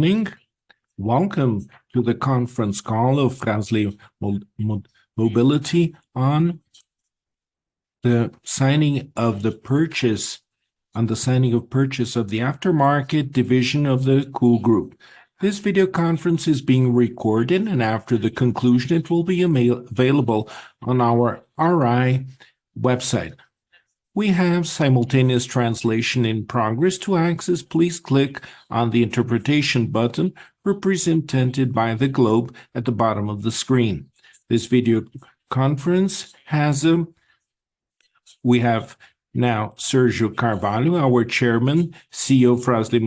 Good evening. Welcome to the conference call of Fras-le Mobility on the signing of the purchase, on the signing of purchase of the aftermarket division of the KUO Group. This video conference is being recorded, and after the conclusion, it will be available on our IR website. We have simultaneous translation in progress. To access, please click on the interpretation button represented by the globe at the bottom of the screen. This video conference has, we have now Sérgio Carvalho, our chairman, CEO of Fras-le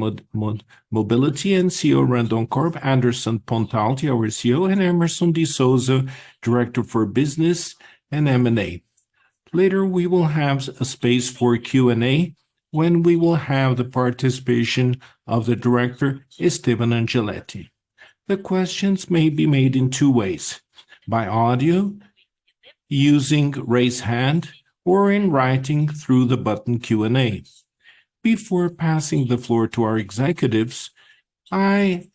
Mobility, and CEO of Randon Corp, Anderson Pontalti, our CEO, and Hemerson de Souza, director for business and M&A. Later, we will have a space for Q&A, when we will have the participation of the director, Estevão Angeletti. The questions may be made in two ways: by audio, using Raise Hand, or in writing through the button Q&A. Before passing the floor to our executives, I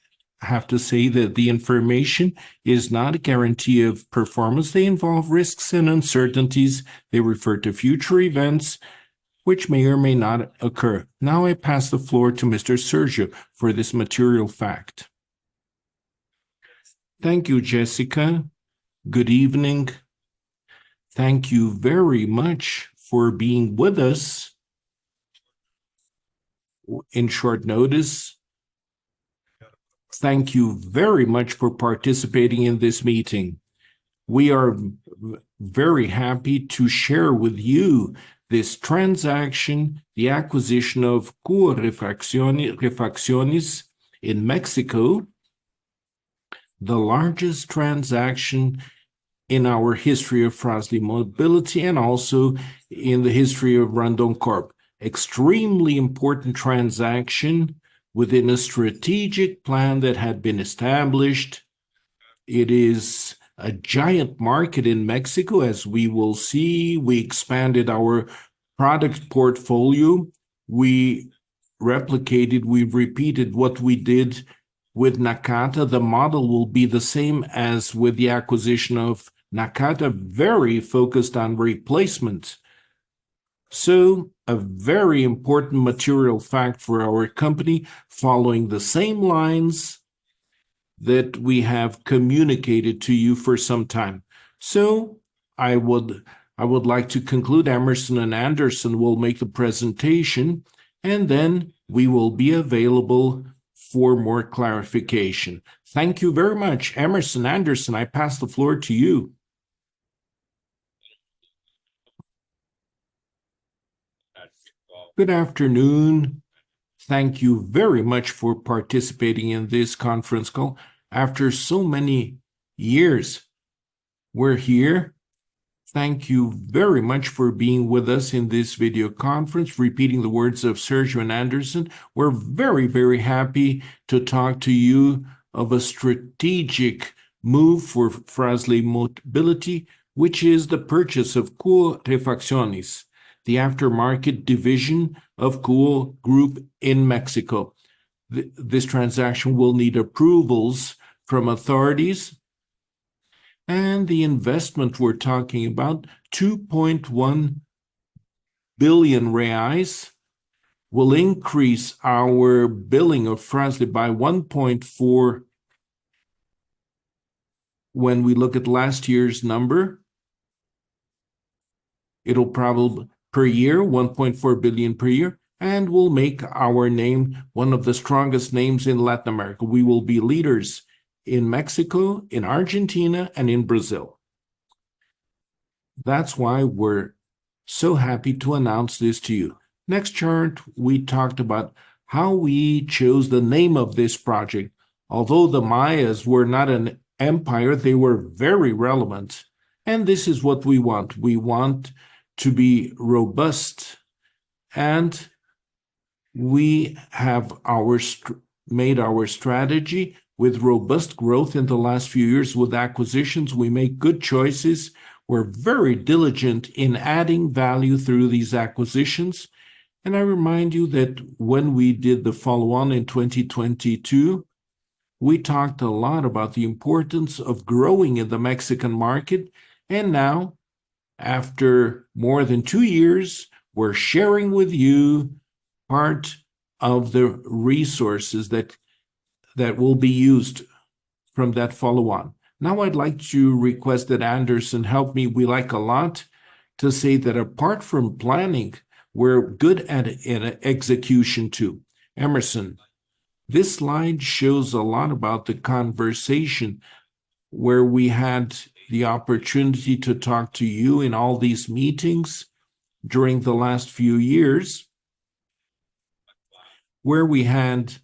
have to say that the information is not a guarantee of performance. They involve risks and uncertainties. They refer to future events which may or may not occur. Now I pass the floor to Mr. Sérgio for this material fact. Thank you, Jessica. Good evening. Thank you very much for being with us on short notice. Thank you very much for participating in this meeting. We are very happy to share with you this transaction, the acquisition of KUO Refacciones in Mexico, the largest transaction in our history of Fras-le Mobility and also in the history of Randon Corp. Extremely important transaction within a strategic plan that had been established. It is a giant market in Mexico, as we will see. We expanded our product portfolio. We replicated, we repeated what we did with Nakata. The model will be the same as with the acquisition of Nakata, very focused on replacement. So a very important material fact for our company, following the same lines that we have communicated to you for some time. So I would like to conclude. Hemerson and Anderson will make the presentation, and then we will be available for more clarification. Thank you very much. Hemerson, Anderson, I pass the floor to you. Good afternoon. Thank you very much for participating in this conference call. After so many years, we're here. Thank you very much for being with us in this video conference. Repeating the words of Sérgio and Anderson, we're very, very happy to talk to you of a strategic move for Fras-le Mobility, which is the purchase of KUO Refacciones, the aftermarket division of KUO Group in Mexico. This transaction will need approvals from authorities, and the investment we're talking about, 2.1 billion reais, will increase our billing of Fras-le by 1.4... When we look at last year's number, it'll probably per year, 1.4 billion per year, and will make our name one of the strongest names in Latin America. We will be leaders in Mexico, in Argentina, and in Brazil. That's why we're so happy to announce this to you. Next chart, we talked about how we chose the name of this project. Although the Mayas were not an empire, they were very relevant, and this is what we want. We want to be robust, and we have made our strategy with robust growth in the last few years. With acquisitions, we make good choices. We're very diligent in adding value through these acquisitions. And I remind you that when we did the follow-on in 2022, we talked a lot about the importance of growing in the Mexican market, and now, after more than two years, we're sharing with you part of the resources that, that will be used from that follow-on. Now I'd like to request that Anderson help me. We like a lot to say that apart from planning, we're good at, in execution, too. Hemerson, this slide shows a lot about the conversation where we had the opportunity to talk to you in all these meetings during the last few years, where we had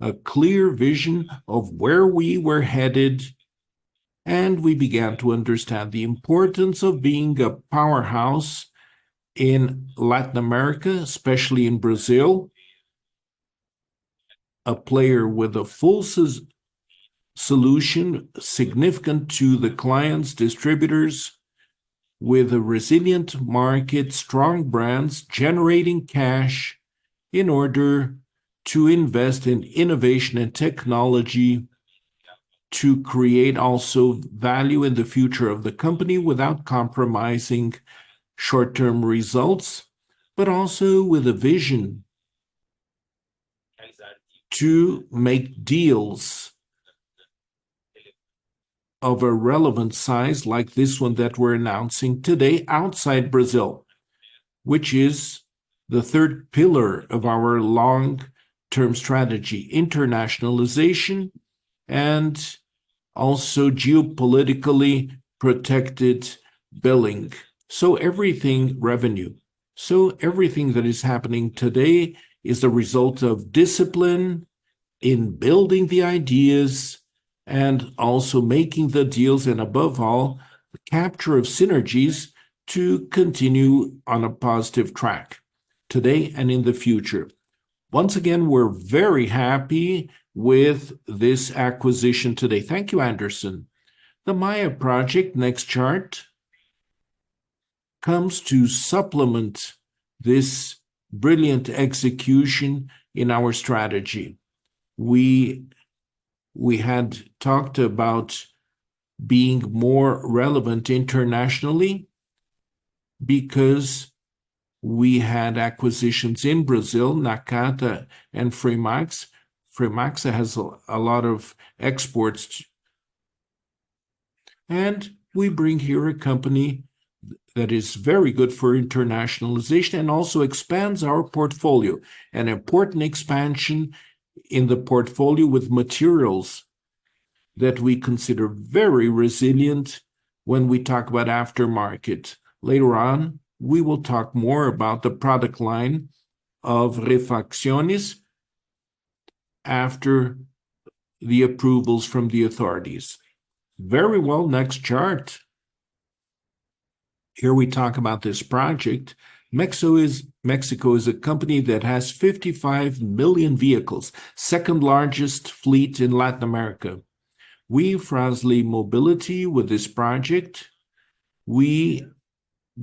a clear vision of where we were headed, and we began to understand the importance of being a powerhouse in Latin America, especially in Brazil.... a player with a full solution, significant to the clients, distributors, with a resilient market, strong brands, generating cash in order to invest in innovation and technology, to create also value in the future of the company without compromising short-term results, but also with a vision to make deals of a relevant size, like this one that we're announcing today, outside Brazil, which is the third pillar of our long-term strategy: internationalization and also geopolitically protected billing. So everything - Revenue. So everything that is happening today is a result of discipline in building the ideas and also making the deals, and above all, the capture of synergies to continue on a positive track, today and in the future. Once again, we're very happy with this acquisition today. Thank you, Anderson. The Maya project, next chart, comes to supplement this brilliant execution in our strategy. We had talked about being more relevant internationally because we had acquisitions in Brazil, Nakata and Fremax. Fremax has a lot of exports. And we bring here a company that is very good for internationalization and also expands our portfolio, an important expansion in the portfolio with materials that we consider very resilient when we talk about aftermarket. Later on, we will talk more about the product line of Refacciones after the approvals from the authorities. Very well. Next chart. Here we talk about this project. Mexico is a country that has 55 million vehicles, second largest fleet in Latin America. We, Fras-le Mobility, with this project, we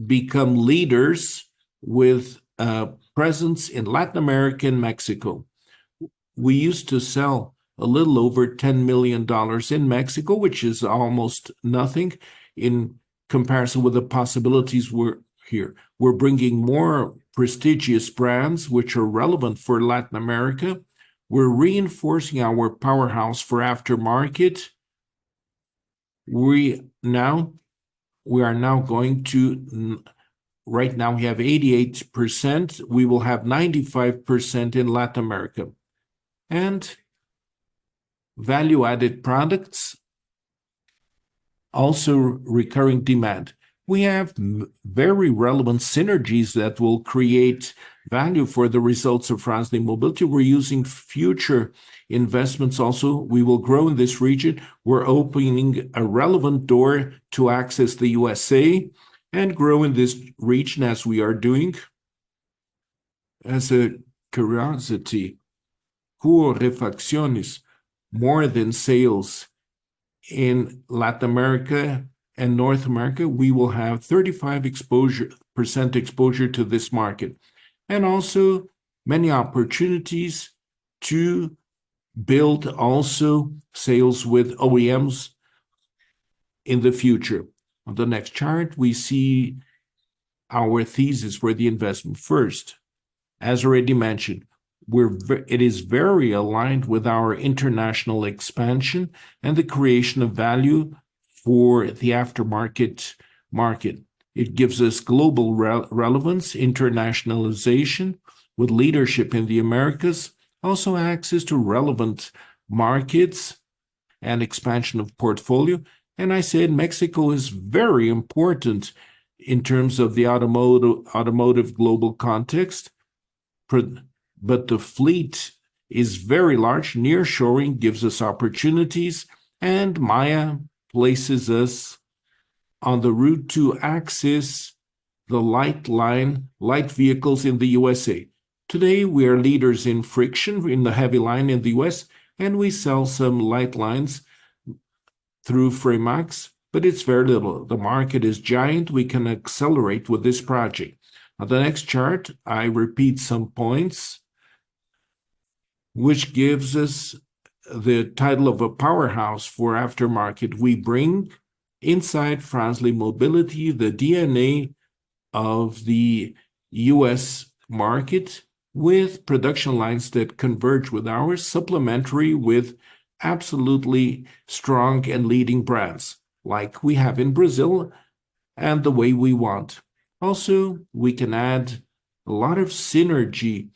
become leaders with a presence in Latin America and Mexico. We used to sell a little over $10 million in Mexico, which is almost nothing in comparison with the possibilities we're here. We're bringing more prestigious brands, which are relevant for Latin America. We're reinforcing our powerhouse for aftermarket. We are now going to... Right now, we have 88%. We will have 95% in Latin America. Value-added products, also recurring demand. We have very relevant synergies that will create value for the results of Fras-le Mobility. We're using future investments also. We will grow in this region. We're opening a relevant door to access the USA and grow in this region as we are doing. As a curiosity, KUO Refacciones, more than sales in Latin America and North America, we will have 35% exposure to this market, and also many opportunities to build also sales with OEMs in the future. On the next chart, we see our thesis for the investment. First, as already mentioned, it is very aligned with our international expansion and the creation of value for the aftermarket market. It gives us global relevance, internationalization with leadership in the Americas, also access to relevant markets and expansion of portfolio. I said Mexico is very important in terms of the automotive global context. But the fleet is very large. Nearshoring gives us opportunities, and Maya places us on the route to access the light line, light vehicles in the USA. Today, we are leaders in friction in the heavy line in the U.S., and we sell some light lines through Fremax, but it's very little. The market is giant. We can accelerate with this project. On the next chart, I repeat some points which gives us the title of a powerhouse for aftermarket. We bring inside Fras-le Mobility the DNA of the U.S. market, with production lines that converge with ours, supplementary with absolutely strong and leading brands, like we have in Brazil, and the way we want. Also, we can add a lot of synergy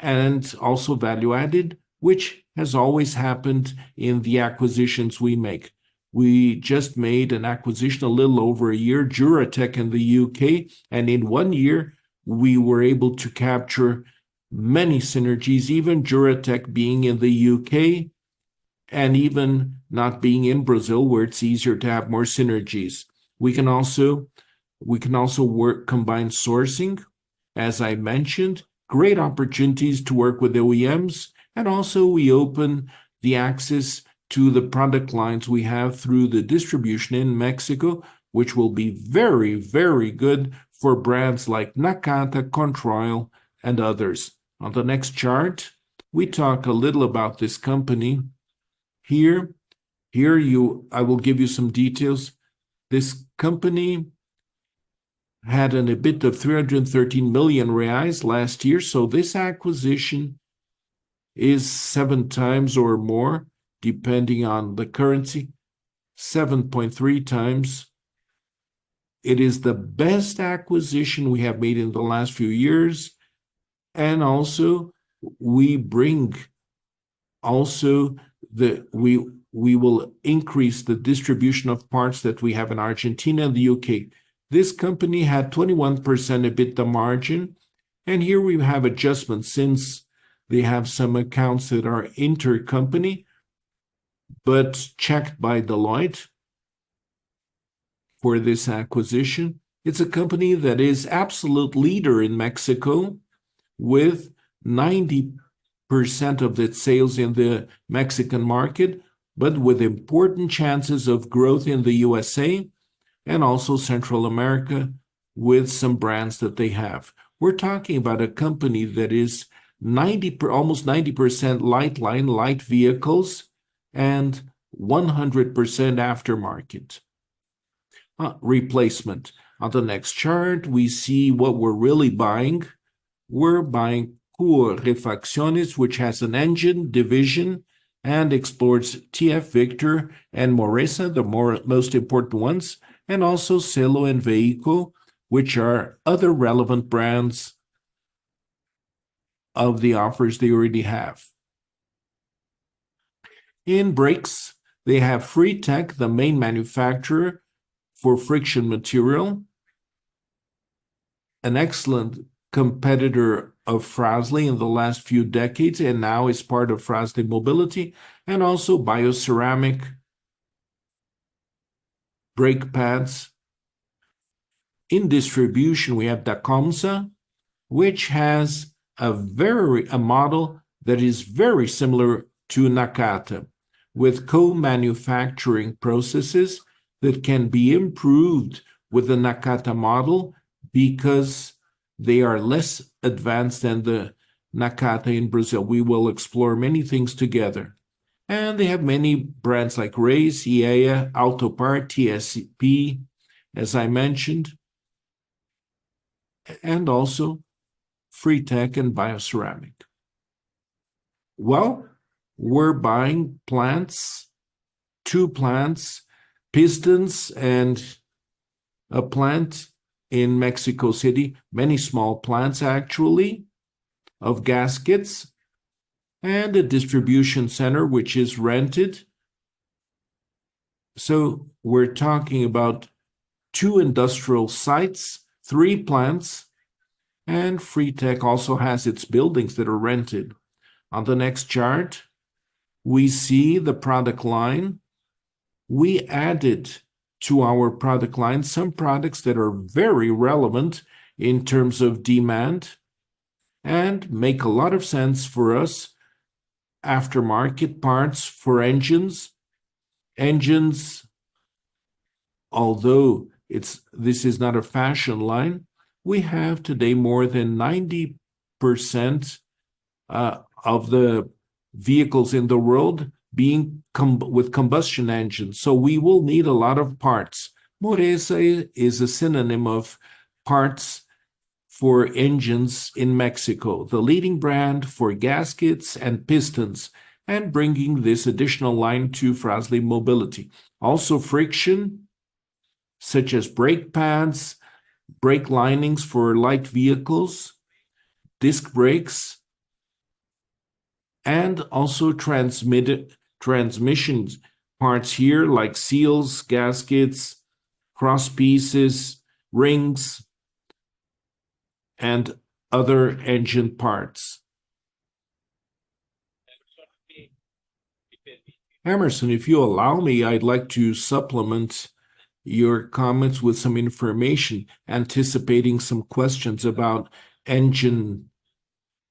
and also value added, which has always happened in the acquisitions we make. We just made an acquisition a little over a year, Juratek in the U.K., and in one year we were able to capture many synergies, even Juratek being in the U.K... and even not being in Brazil, where it's easier to have more synergies. We can also, we can also work combined sourcing, as I mentioned, great opportunities to work with OEMs, and also we open the access to the product lines we have through the distribution in Mexico, which will be very, very good for brands like Nakata, Controil, and others. On the next chart, we talk a little about this company. Here, here, you—I will give you some details. This company had an EBIT of 313 million reais last year, so this acquisition is 7x or more, depending on the currency, 7.3x. It is the best acquisition we have made in the last few years, and also we bring the we will increase the distribution of parts that we have in Argentina and the U.K. This company had 21% EBITDA margin, and here we have adjustments, since they have some accounts that are intercompany, but checked by Deloitte for this acquisition. It's a company that is absolute leader in Mexico, with 90% of its sales in the Mexican market, but with important chances of growth in the USA and also Central America, with some brands that they have. We're talking about a company that is 90, almost 90% light line, light vehicles, and 100% aftermarket replacement. On the next chart, we see what we're really buying. We're buying KUO Refacciones, which has an engine division and offers TF Victor and Moresa, the most important ones, and also Sello V and Vehyco, which are other relevant brands of the offers they already have. In brakes, they have Fritec, the main manufacturer for friction material, an excellent competitor of Fras-le in the last few decades, and now is part of Fras-le Mobility, and also Bio Ceramic brake pads. In distribution, we have Dacomsa, which has a model that is very similar to Nakata, with co-manufacturing processes that can be improved with the Nakata model because they are less advanced than the Nakata in Brazil. We will explore many things together. They have many brands like Raybestos, OEA, Autopar, TSP, as I mentioned, and also Fritec and Bio Ceramic. Well, we're buying plants, two plants, pistons, and a plant in Mexico City. Many small plants, actually, of gaskets and a distribution center, which is rented. We're talking about two industrial sites, three plants, and Fritec also has its buildings that are rented. On the next chart, we see the product line. We added to our product line some products that are very relevant in terms of demand and make a lot of sense for us. Aftermarket parts for engines. Engines, although this is not a fashion line, we have today more than 90% of the vehicles in the world being with combustion engines, so we will need a lot of parts. Moresa is a synonym of parts for engines in Mexico, the leading brand for gaskets and pistons, and bringing this additional line to Fras-le Mobility. Also, friction, such as brake pads, brake linings for light vehicles, disc brakes, and also transmissions parts here, like seals, gaskets, cross pieces, rings, and other engine parts. Hemerson, if you allow me, I'd like to supplement your comments with some information, anticipating some questions about engine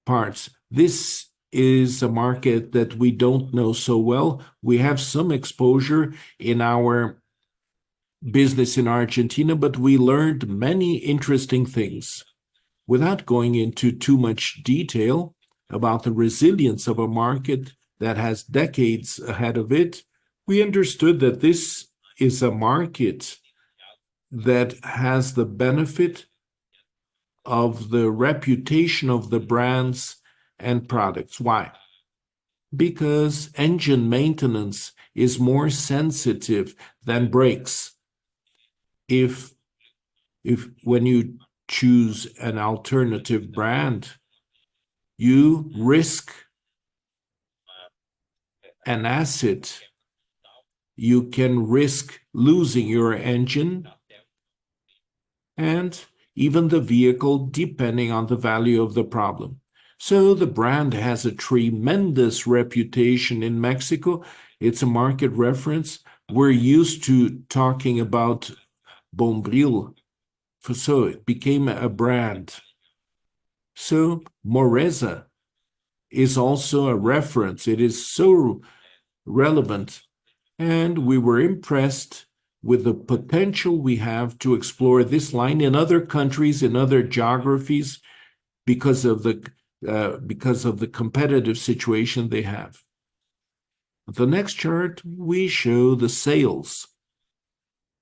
parts. This is a market that we don't know so well. We have some exposure in our business in Argentina, but we learned many interesting things. Without going into too much detail about the resilience of a market that has decades ahead of it, we understood that this is a market that has the benefit of the reputation of the brands and products. Why? Because engine maintenance is more sensitive than brakes. If when you choose an alternative brand, you risk an asset. You can risk losing your engine and even the vehicle, depending on the value of the problem. So the brand has a tremendous reputation in Mexico. It's a market reference. We're used to talking about Bombril, so it became a brand. So Moresa is also a reference. It is so relevant, and we were impressed with the potential we have to explore this line in other countries, in other geographies, because of the, because of the competitive situation they have. The next chart, we show the sales.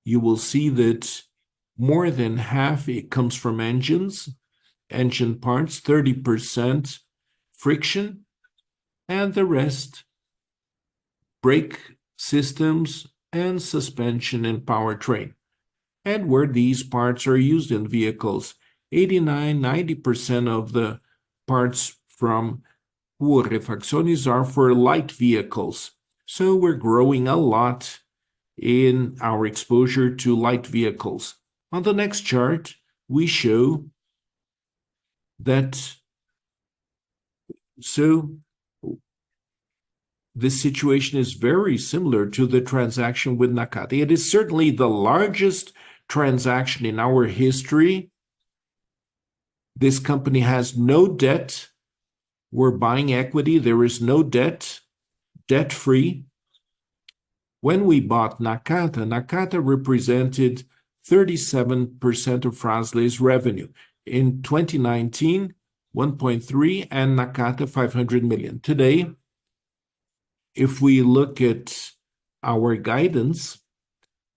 You will see that more than half it comes from engines, engine parts, 30% friction, and the rest, brake systems and suspension and powertrain. And where these parts are used in vehicles, 89%-90% of the parts from Refacciones are for light vehicles. So we're growing a lot in our exposure to light vehicles. On the next chart, we show that, so this situation is very similar to the transaction with Nakata. It is certainly the largest transaction in our history. This company has no debt. We're buying equity. There is no debt. Debt-free. When we bought Nakata, Nakata represented 37% of Fras-le's revenue. In 2019, 1.3 and Nakata, 500 million. Today, if we look at our guidance,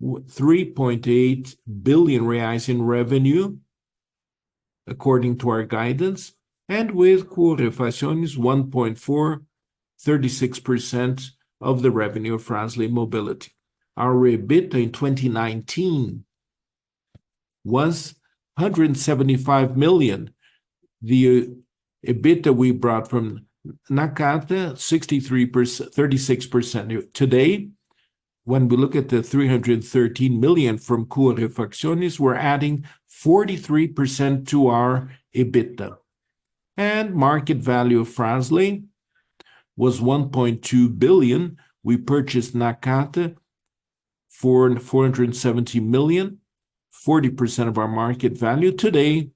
3.8 billion reais in revenue, according to our guidance, and with KUO Refacciones, 1.4, 36% of the revenue of Fras-le Mobility. Our EBITDA in 2019 was 175 million. The EBITDA we brought from Nakata, 63% to 36%. Today, when we look at the 313 million from KUO Refacciones, we're adding 43% to our EBITDA. Market value of Fras-le was 1.2 billion. We purchased Nakata for 470 million, 40% of our market value. Today,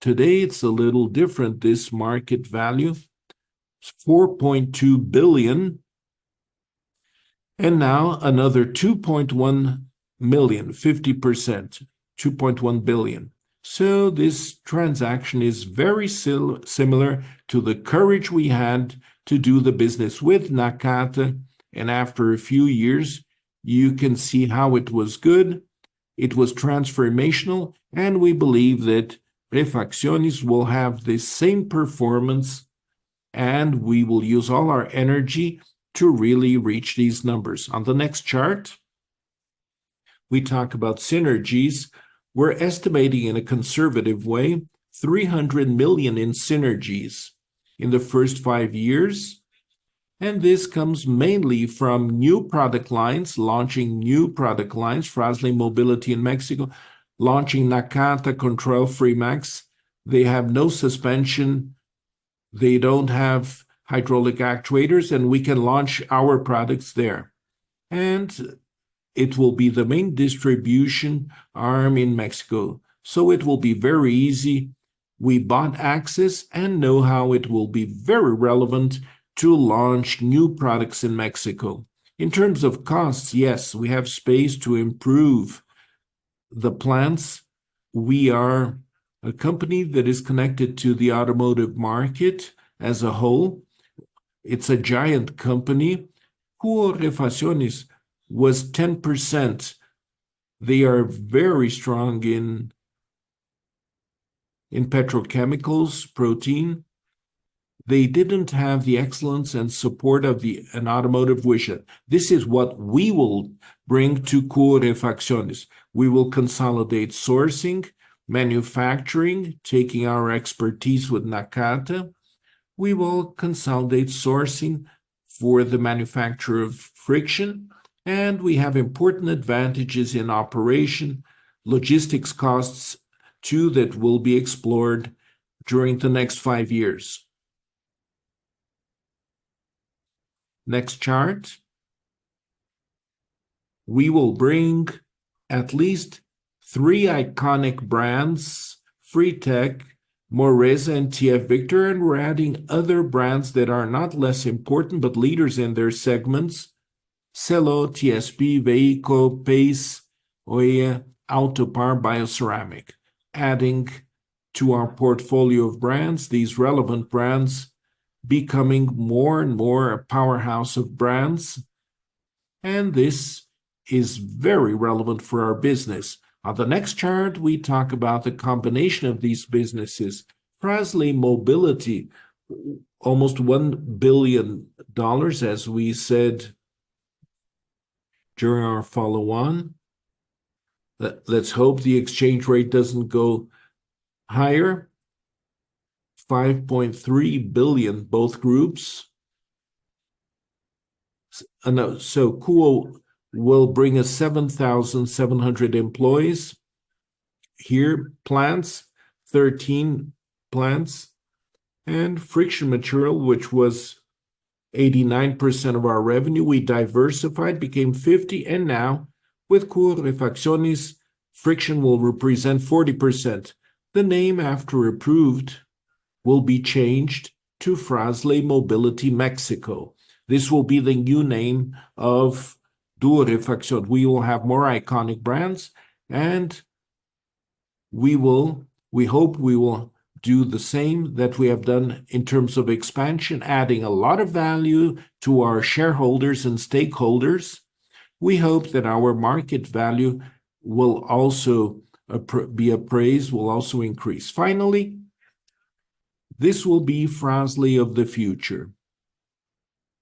today, it's a little different. This market value, it's 4.2 billion, and now another 2.1 billion, 50%, 2.1 billion. So this transaction is very similar to the courage we had to do the business with Nakata, and after a few years, you can see how it was good, it was transformational, and we believe that Refacciones will have the same performance, and we will use all our energy to really reach these numbers. On the next chart, we talk about synergies. We're estimating in a conservative way, 300 million in synergies in the first five years, and this comes mainly from new product lines, launching new product lines, Fras-le Mobility in Mexico, launching Nakata, Controil, Fremax. They have no suspension, they don't have hydraulic actuators, and we can launch our products there, and it will be the main distribution arm in Mexico, so it will be very easy. We bought access and know-how; it will be very relevant to launch new products in Mexico. In terms of costs, yes, we have space to improve the plants. We are a company that is connected to the automotive market as a whole. It's a giant company. KUO Refacciones was 10%. They are very strong in, in petrochemicals, protein. They didn't have the excellence and support of an automotive vision. This is what we will bring to KUO Refacciones. We will consolidate sourcing, manufacturing, taking our expertise with Nakata. We will consolidate sourcing for the manufacturing of friction, and we have important advantages in operation, logistics costs, too, that will be explored during the next five years. Next chart. We will bring at least three iconic brands, Fritec, Moresa, and TF Victor, and we're adding other brands that are not less important, but leaders in their segments. Sello V, TSP, Vehyco, PAI, OEA, Autopar, Bio Ceramic. Adding to our portfolio of brands, these relevant brands, becoming more and more a powerhouse of brands, and this is very relevant for our business. On the next chart, we talk about the combination of these businesses. Fras-le Mobility, almost $1 billion, as we said during our follow-on. Let's hope the exchange rate doesn't go higher. $5.3 billion, both groups.... So KUO will bring us 7,700 employees. 13 plants, and friction material, which was 89% of our revenue, we diversified, became 50, and now with KUO Refacciones, friction will represent 40%. The name, after approved, will be changed to Fras-le Mobility Mexico. This will be the new name of KUO Refacciones. We will have more iconic brands, and we hope we will do the same that we have done in terms of expansion, adding a lot of value to our shareholders and stakeholders. We hope that our market value will also be appreciated, will also increase. Finally, this will be Fras-le of the future.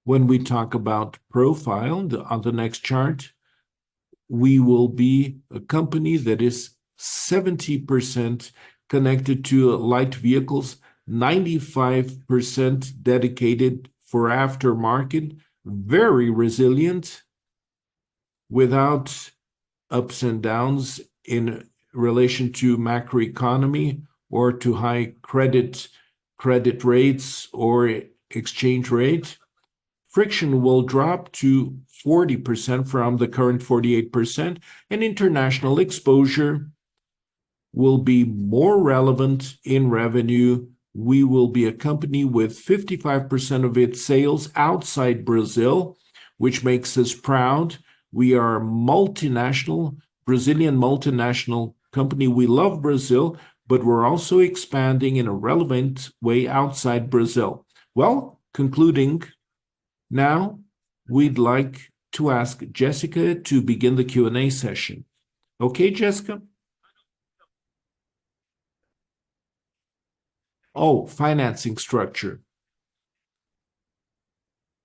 When we talk about profile, on the next chart, we will be a company that is 70% connected to light vehicles, 95% dedicated for aftermarket. Very resilient, without ups and downs in relation to macroeconomy or to high credit, credit rates or exchange rate. Friction will drop to 40% from the current 48%, and international exposure will be more relevant in revenue. We will be a company with 55% of its sales outside Brazil, which makes us proud. We are a multinational, Brazilian multinational company. We love Brazil, but we're also expanding in a relevant way outside Brazil. Well, concluding, now we'd like to ask Jessica to begin the Q&A session. Okay, Jessica? Oh, financing structure.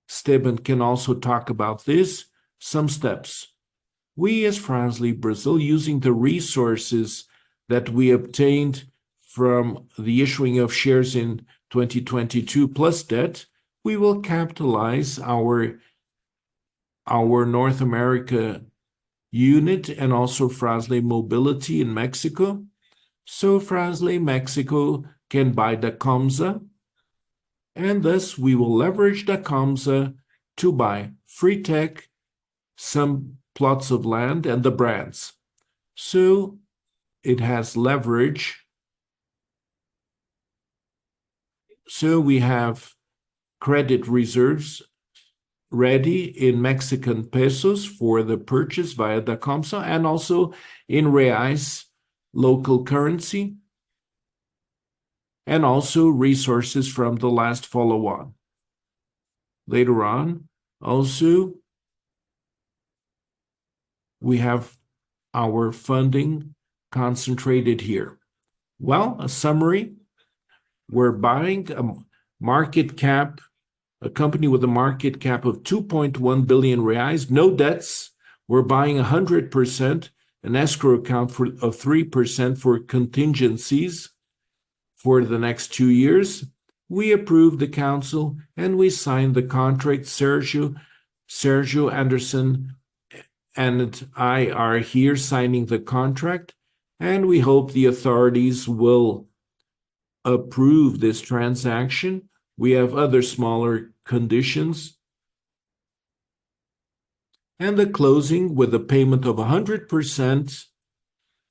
Estevão can also talk about this. Some steps. We, as Fras-le Brazil, using the resources that we obtained from the issuing of shares in 2022 plus debt, we will capitalize our, our North America unit and also Fras-le Mobility in Mexico. So Fras-le Mexico can buy DACOMSA, and thus we will leverage DACOMSA to buy Fritec, some plots of land, and the brands. So it has leverage. So we have credit reserves ready in Mexican pesos for the purchase via DACOMSA, and also in reais, local currency, and also resources from the last follow-on. Later on, also, we have our funding concentrated here. Well, a summary: we're buying a company with a market cap of 2.1 billion reais, no debts. We're buying 100%, an escrow account of 3% for contingencies for the next two years. We approved the council, and we signed the contract. Sérgio, Sérgio, Anderson, and I are here signing the contract, and we hope the authorities will approve this transaction. We have other smaller conditions. The closing, with a payment of 100%,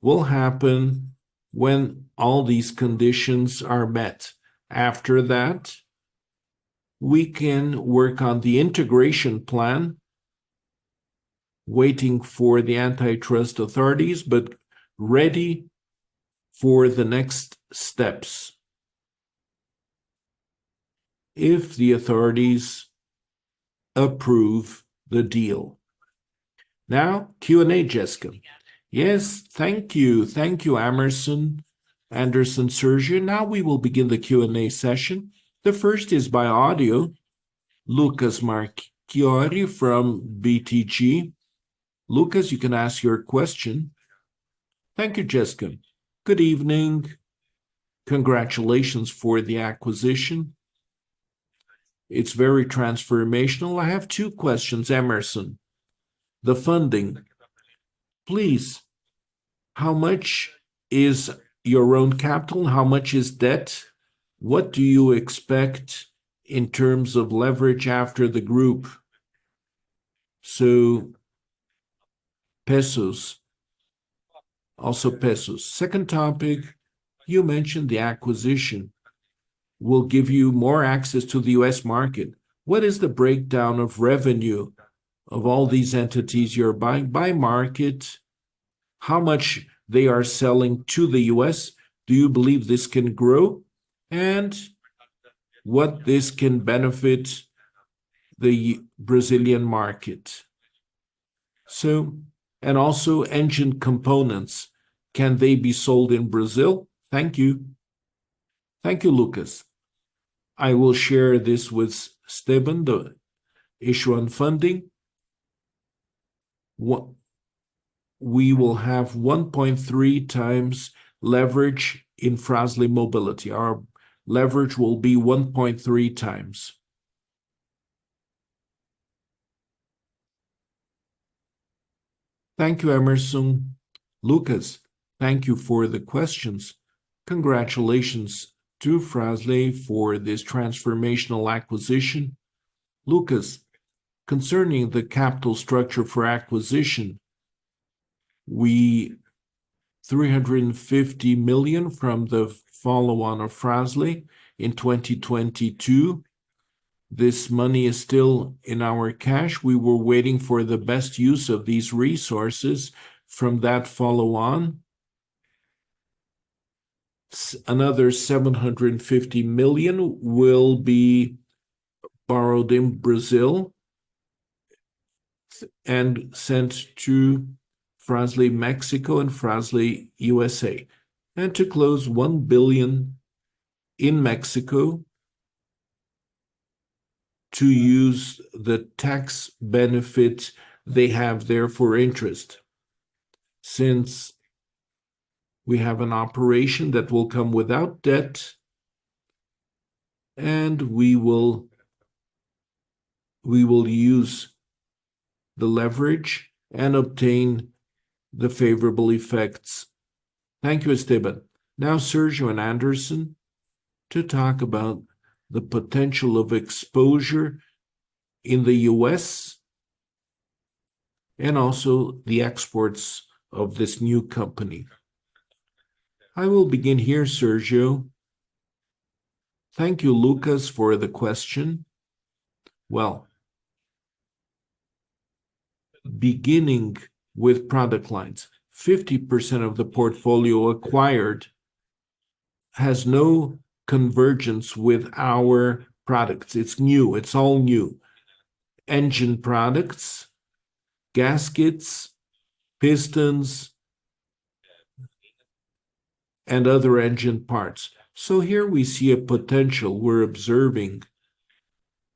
will happen when all these conditions are met. After that, we can work on the integration plan, waiting for the antitrust authorities, but ready for the next steps if the authorities approve the deal. Now, Q&A, Jessica. Yes, thank you. Thank you, Hemerson, Anderson, Sérgio. Now we will begin the Q&A session. The first is by audio, Lucas Marchiori from BTG. Lucas, you can ask your question. Thank you, Jessica. Good evening. Congratulations for the acquisition. It's very transformational. I have two questions, Hemerson. The funding, please, how much is your own capital? How much is debt? What do you expect in terms of leverage after the group? So pesos, also pesos. Second topic, you mentioned the acquisition will give you more access to the U.S. market. What is the breakdown of revenue of all these entities you're buying by market, how much they are selling to the U.S.? Do you believe this can grow, and what this can benefit the Brazilian market? So... And also engine components, can they be sold in Brazil? Thank you. Thank you, Lucas. I will share this with Estevão, the issue on funding.... what we will have 1.3x leverage in Fras-le Mobility. Our leverage will be 1.3x. Thank you, Hemerson. Lucas, thank you for the questions. Congratulations to Fras-le for this transformational acquisition. Lucas, concerning the capital structure for acquisition, we 350 million from the follow-on of Fras-le in 2022. This money is still in our cash. We were waiting for the best use of these resources from that follow-on. So another 750 million will be borrowed in Brazil and sent to Fras-le Mexico and Fras-le USA, and to close 1 billion in Mexico to use the tax benefit they have there for interest. Since we have an operation that will come without debt, and we will, we will use the leverage and obtain the favorable effects. Thank you, Estevão. Now Sérgio and Anderson to talk about the potential of exposure in the U.S. and also the exports of this new company. I will begin here, Sérgio. Thank you, Lucas, for the question. Well, beginning with product lines, 50% of the portfolio acquired has no convergence with our products. It's new, it's all new. Engine products, gaskets, pistons, and other engine parts. So here we see a potential. We're observing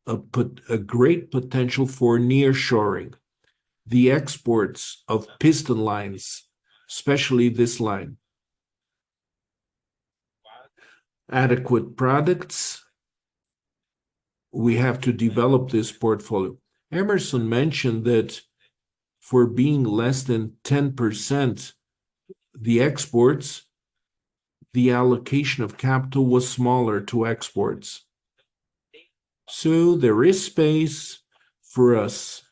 a great potential for nearshoring. The exports of piston lines, especially this line. Adequate products, we have to develop this portfolio. Hemerson mentioned that for being less than 10%, the exports, the allocation of capital was smaller to exports. So there is space for us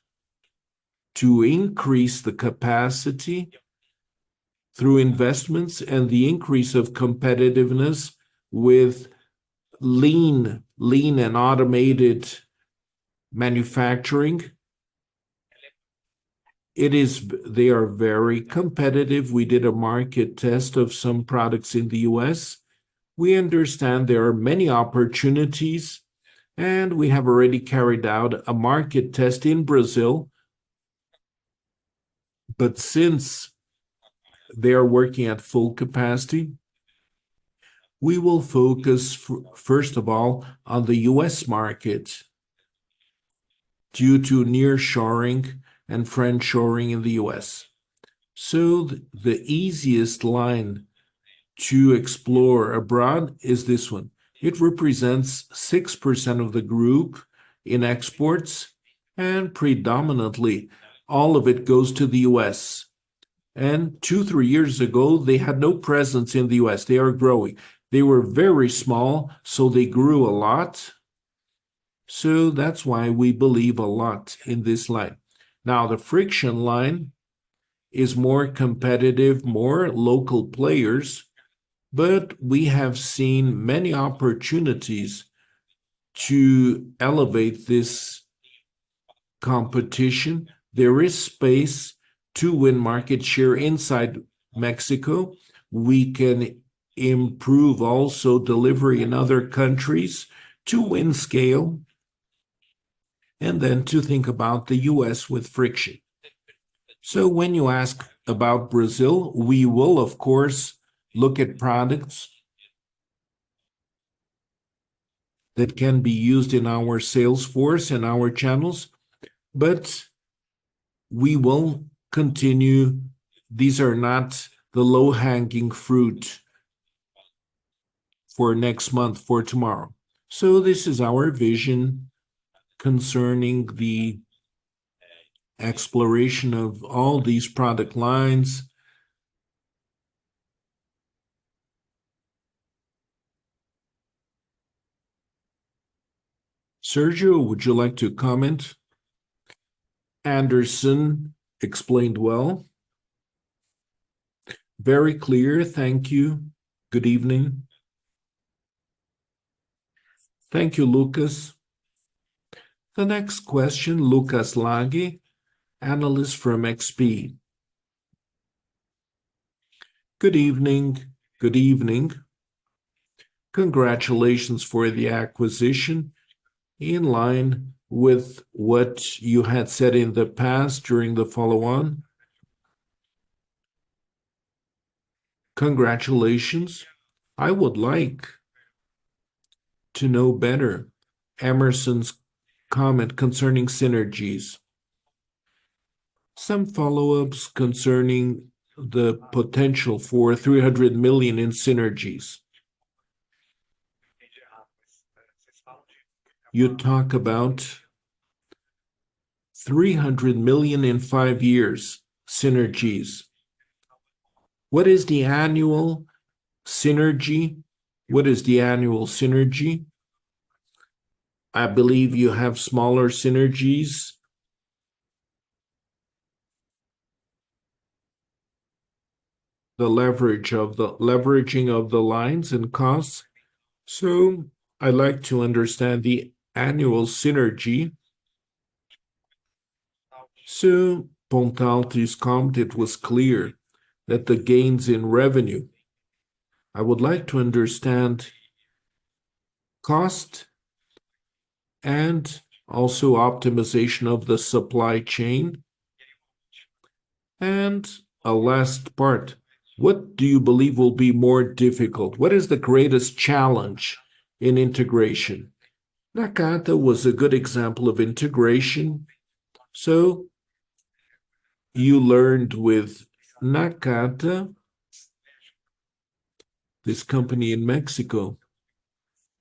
to increase the capacity through investments and the increase of competitiveness with lean and automated manufacturing. They are very competitive. We did a market test of some products in the U.S. We understand there are many opportunities, and we have already carried out a market test in Brazil. But since they are working at full capacity, we will focus first of all, on the U.S. market due to nearshoring and friendshoring in the U.S.. So the easiest line to explore abroad is this one. It represents 6% of the group in exports, and predominantly all of it goes to the U.S. Two, Three years ago, they had no presence in the U.S. They are growing. They were very small, so they grew a lot. So that's why we believe a lot in this line. Now, the friction line is more competitive, more local players, but we have seen many opportunities to elevate this competition. There is space to win market share inside Mexico. We can improve also delivery in other countries to win scale, and then to think about the U.S. with friction. So when you ask about Brazil, we will of course, look at products that can be used in our sales force and our channels, but we will continue... These are not the low-hanging fruit for next month, for tomorrow. So this is our vision concerning the exploration of all these product lines. Sérgio, would you like to comment? Anderson explained well. Very clear. Thank you. Good evening. Thank you, Lucas. The next question, Lucas Laghi, analyst from XP. Good evening, good evening. Congratulations for the acquisition. In line with what you had said in the past. Congratulations! I would like to know better Hemerson's comment concerning synergies. Some follow-ups concerning the potential for 300 million in synergies. You talk about 300 million in five years synergies. What is the annual synergy? What is the annual synergy? I believe you have smaller synergies. The leveraging of the lines and costs, so I'd like to understand the annual synergy. So Pontalti's comment, it was clear that the gains in revenue, I would like to understand cost and also optimization of the supply chain. And a last part: What do you believe will be more difficult? What is the greatest challenge in integration? Nakata was a good example of integration, so you learned with Nakata, this company in Mexico.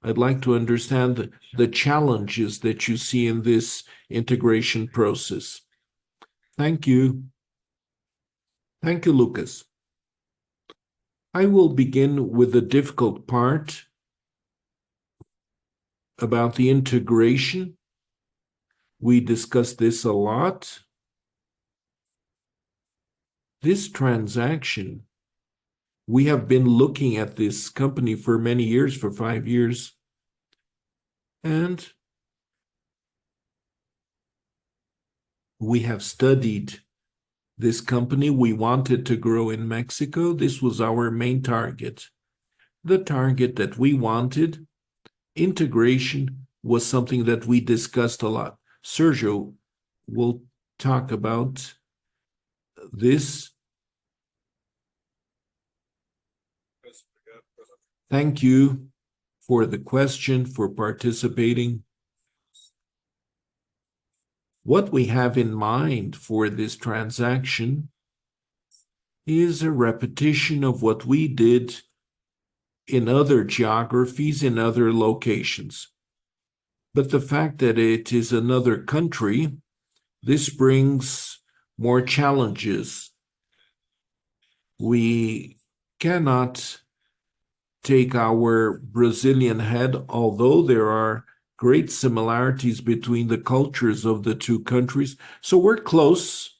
I'd like to understand the challenges that you see in this integration process. Thank you. Thank you, Lucas. I will begin with the difficult part about the integration. We discussed this a lot. This transaction, we have been looking at this company for many years, for five years, and we have studied this company. We wanted to grow in Mexico. This was our main target, the target that we wanted. Integration was something that we discussed a lot. Sérgio will talk about this. Thank you for the question, for participating. What we have in mind for this transaction is a repetition of what we did in other geographies, in other locations. But the fact that it is another country, this brings more challenges. We cannot take our Brazilian head, although there are great similarities between the cultures of the two countries. So we're close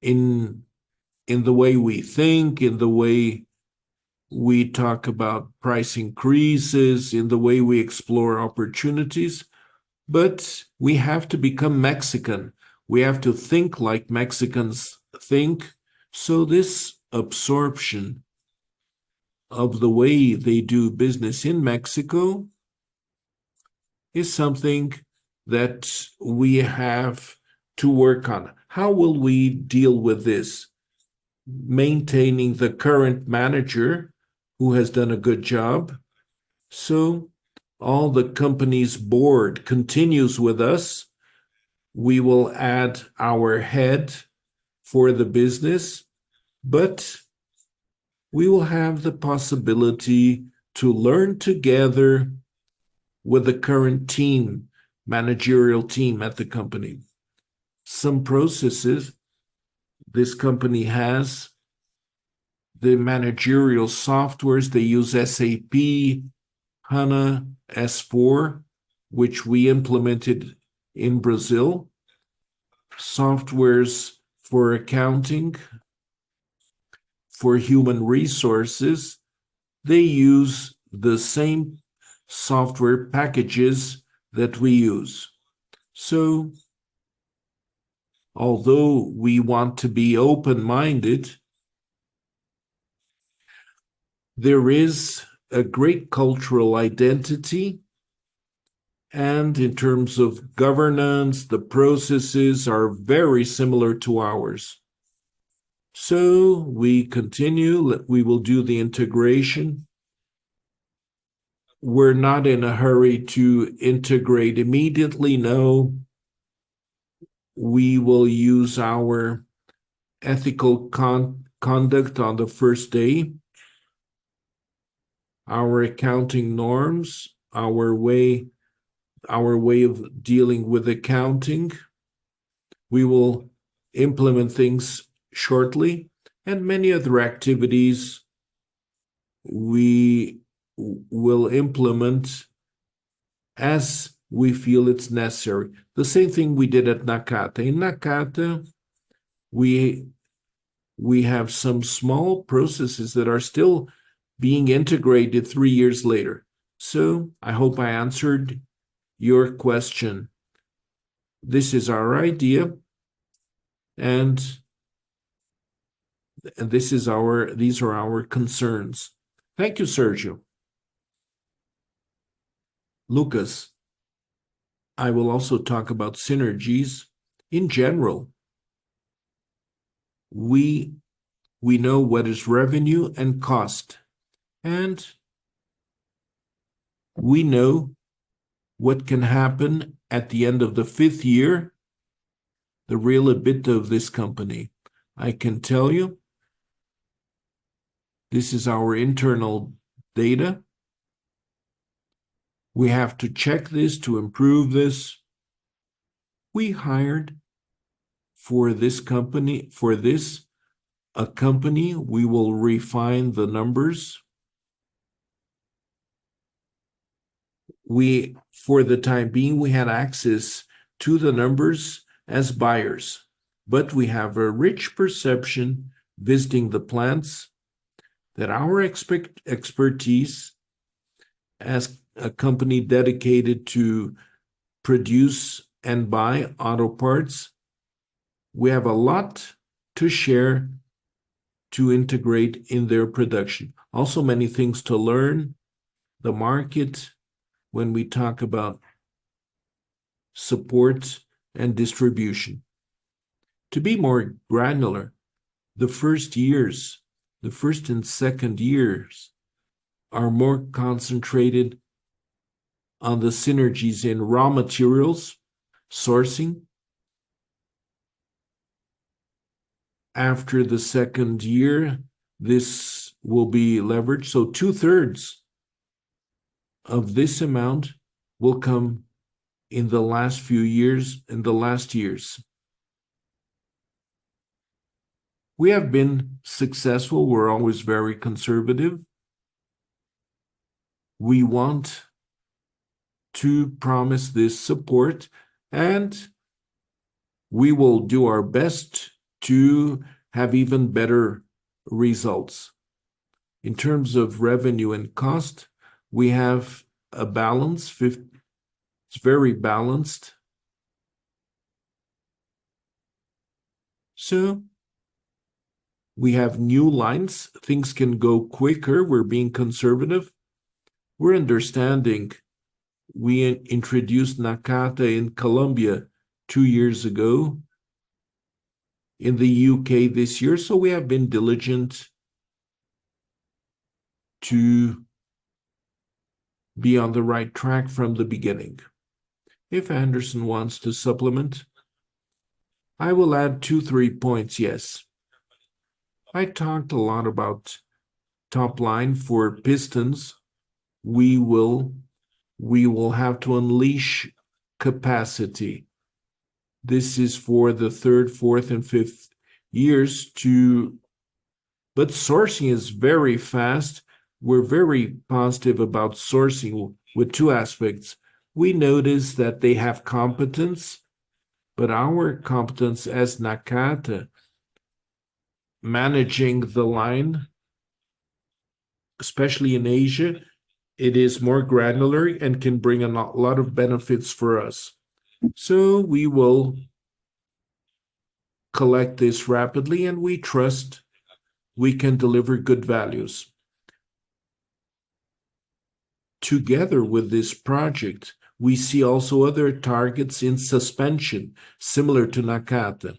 in, in the way we think, in the way we talk about price increases, in the way we explore opportunities, but we have to become Mexican. We have to think like Mexicans think. So this absorption of the way they do business in Mexico is something that we have to work on. How will we deal with this? Maintaining the current manager, who has done a good job, so all the company's board continues with us. We will add our head for the business, but we will have the possibility to learn together with the current team, managerial team at the company. Some processes this company has, the managerial softwares, they use SAP S/4HANA, which we implemented in Brazil, softwares for accounting, for human resources. They use the same software packages that we use. So although we want to be open-minded, there is a great cultural identity, and in terms of governance, the processes are very similar to ours. So we continue, we will do the integration. We're not in a hurry to integrate immediately, no. We will use our ethical conduct on the first day, our accounting norms, our way, our way of dealing with accounting. We will implement things shortly, and many other activities we will implement as we feel it's necessary. The same thing we did at Nakata. In Nakata, we have some small processes that are still being integrated three years later. So I hope I answered your question. This is our idea, and this is our, these are our concerns. Thank you, Sérgio. Lucas, I will also talk about synergies. In general, we know what is revenue and cost, and we know what can happen at the end of the fifth year, the real EBIT of this company. I can tell you, this is our internal data. We have to check this to improve this. We hired for this company, for this, a company, we will refine the numbers. We, for the time being, we had access to the numbers as buyers, but we have a rich perception visiting the plants, that our expertise as a company dedicated to produce and buy auto parts, we have a lot to share to integrate in their production. Also, many things to learn. The market, when we talk about support and distribution. To be more granular, the first years, the first and second years, are more concentrated on the synergies in raw materials, sourcing. After the second year, this will be leveraged, so two-thirds of this amount will come in the last few years, in the last years. We have been successful. We're always very conservative. We want to promise this support, and we will do our best to have even better results. In terms of revenue and cost, we have a balance, fifty-fifty, it's very balanced. So we have new lines. Things can go quicker. We're being conservative. We're understanding. We introduced Nakata in Colombia two years ago, in the U.K. this year, so we have been diligent to be on the right track from the beginning. If Anderson wants to supplement... I will add two, three points. Yes. I talked a lot about top line for pistons. We will, we will have to unleash capacity. This is for the third, fourth, and fifth years to, but sourcing is very fast. We're very positive about sourcing with two aspects. We noticed that they have competence, but our competence as Nakata, managing the line, especially in Asia, it is more granular and can bring a lot of benefits for us. So we will collect this rapidly, and we trust we can deliver good values. Together with this project, we see also other targets in suspension, similar to Nakata,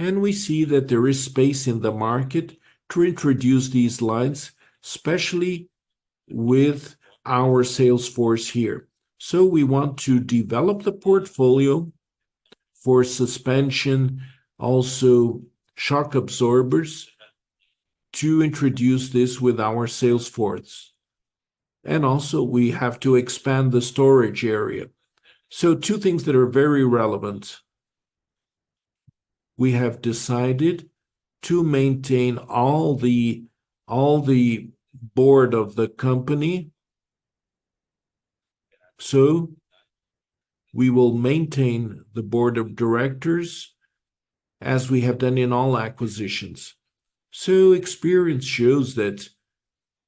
and we see that there is space in the market to introduce these lines, especially with our sales force here. We want to develop the portfolio for suspension, also shock absorbers, to introduce this with our sales force. Also, we have to expand the storage area. Two things that are very relevant. We have decided to maintain all the board of the company, so we will maintain the board of directors as we have done in all acquisitions. Experience shows that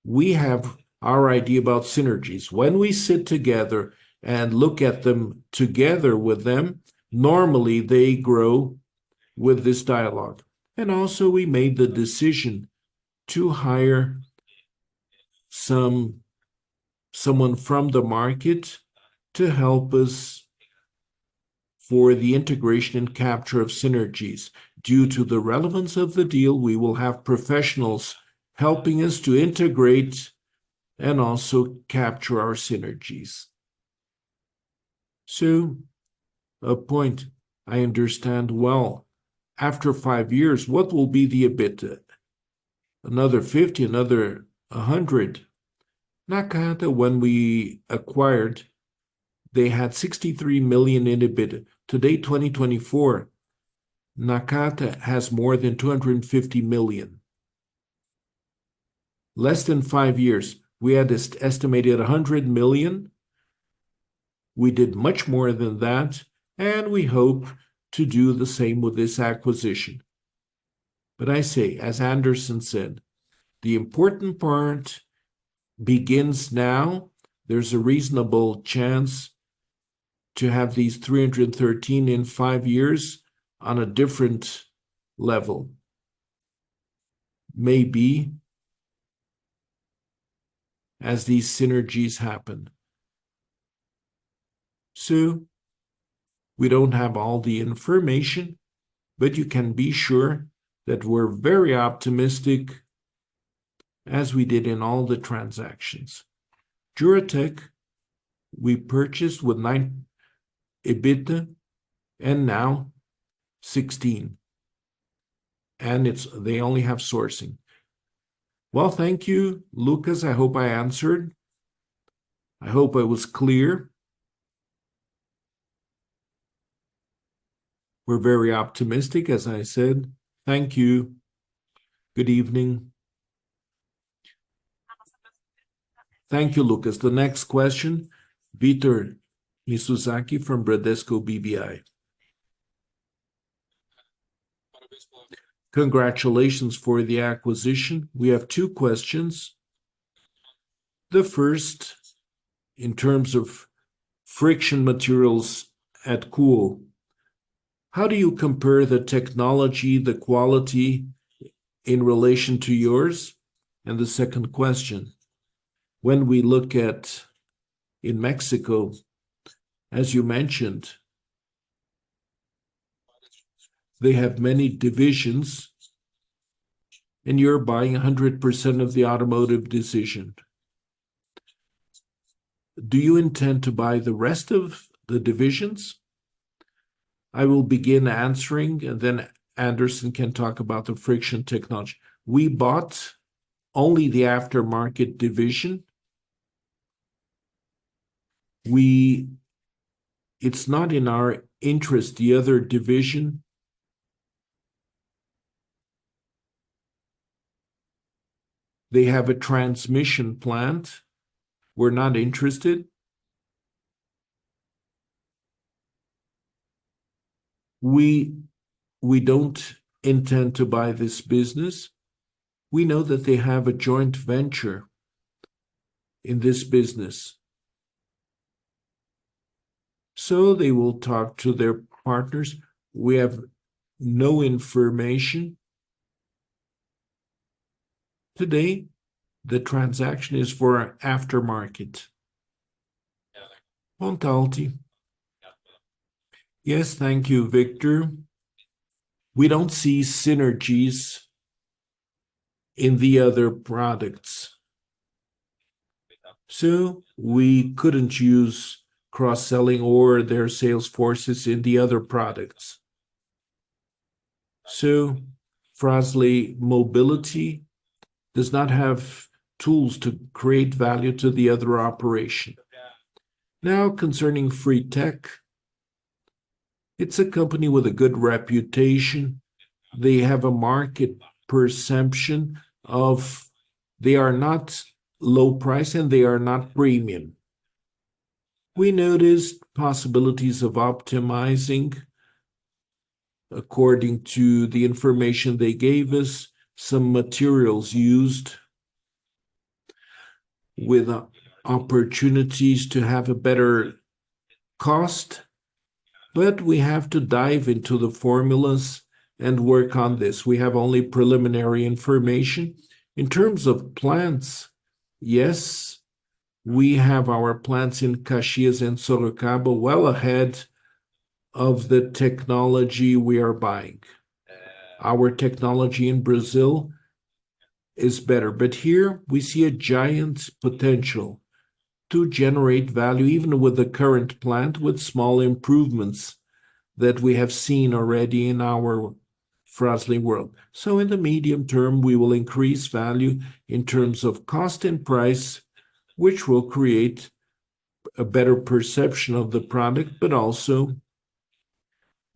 we have our idea about synergies. When we sit together and look at them together with them, normally they grow with this dialogue. Also, we made the decision to hire someone from the market to help us for the integration and capture of synergies. Due to the relevance of the deal, we will have professionals helping us to integrate and also capture our synergies. So a point I understand well, after five years, what will be the EBITDA? Another 50 million, another 100 million. Nakata, when we acquired, they had 63 million in EBITDA. Today, 2024, Nakata has more than 250 million. Less than five years, we had estimated 100 million. We did much more than that, and we hope to do the same with this acquisition. But I say, as Anderson said, the important part begins now. There's a reasonable chance to have these 313 million in five years on a different level... maybe as these synergies happen. So we don't have all the information, but you can be sure that we're very optimistic, as we did in all the transactions. Juratek, we purchased with nine EBIT, and now 16, and it's—they only have sourcing. Well, thank you, Lucas. I hope I answered. I hope I was clear. We're very optimistic, as I said. Thank you. Good evening. Thank you, Lucas. The next question, Victor Mizusaki from Bradesco BBI. Congratulations for the acquisition. We have two questions. The first, in terms of friction materials at KUO, how do you compare the technology, the quality in relation to yours? And the second question, when we look at in Mexico, as you mentioned, they have many divisions, and you're buying 100% of the automotive division. Do you intend to buy the rest of the divisions? I will begin answering, and then Anderson can talk about the friction technology. We bought only the aftermarket division. We... It's not in our interest, the other division. They have a transmission plant. We're not interested. We, we don't intend to buy this business. We know that they have a joint venture in this business, so they will talk to their partners. We have no information. Today, the transaction is for aftermarket. Pontalti. Yes, thank you, Victor. We don't see synergies in the other products. So we couldn't use cross-selling or their sales forces in the other products. So Fras-le Mobility does not have tools to create value to the other operation. Now, concerning Fritec, it's a company with a good reputation. They have a market perception of they are not low price, and they are not premium. We noticed possibilities of optimizing, according to the information they gave us, some materials used with, opportunities to have a better cost, but we have to dive into the formulas and work on this. We have only preliminary information. In terms of plants, yes, we have our plants in Caxias and Sorocaba well ahead of the technology we are buying. Our technology in Brazil is better, but here we see a giant potential to generate value, even with the current plant, with small improvements that we have seen already in our Fras-le world. So in the medium term, we will increase value in terms of cost and price, which will create a better perception of the product, but also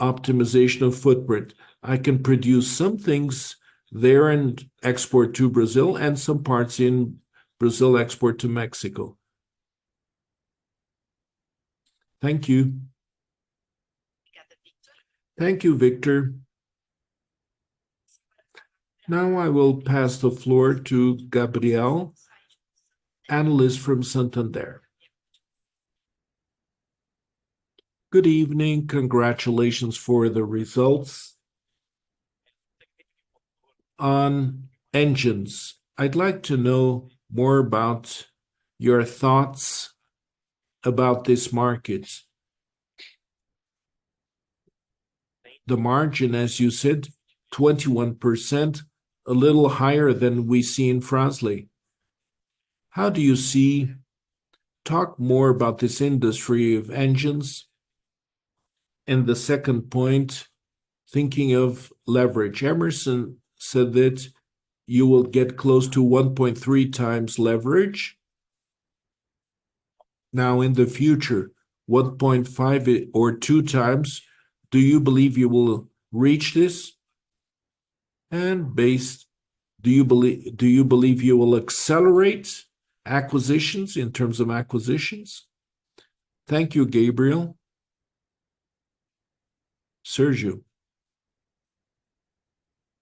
optimization of footprint. I can produce some things there and export to Brazil, and some parts in Brazil, export to Mexico. Thank you. Thank you, Victor. Thank you, Victor. Now I will pass the floor to Gabriel, analyst from Santander. Good evening. Congratulations for the results. On engines, I'd like to know more about your thoughts about this market. The margin, as you said, 21%, a little higher than we see in Fras-le. How do you see? Talk more about this industry of engines? And the second point, thinking of leverage, Hemerson said that you will get close to 1.3x leverage. Now, in the future, 1.5x or 2x, do you believe you will reach this? And based, do you believe you will accelerate acquisitions in terms of acquisitions? Thank you, Gabriel. Sérgio,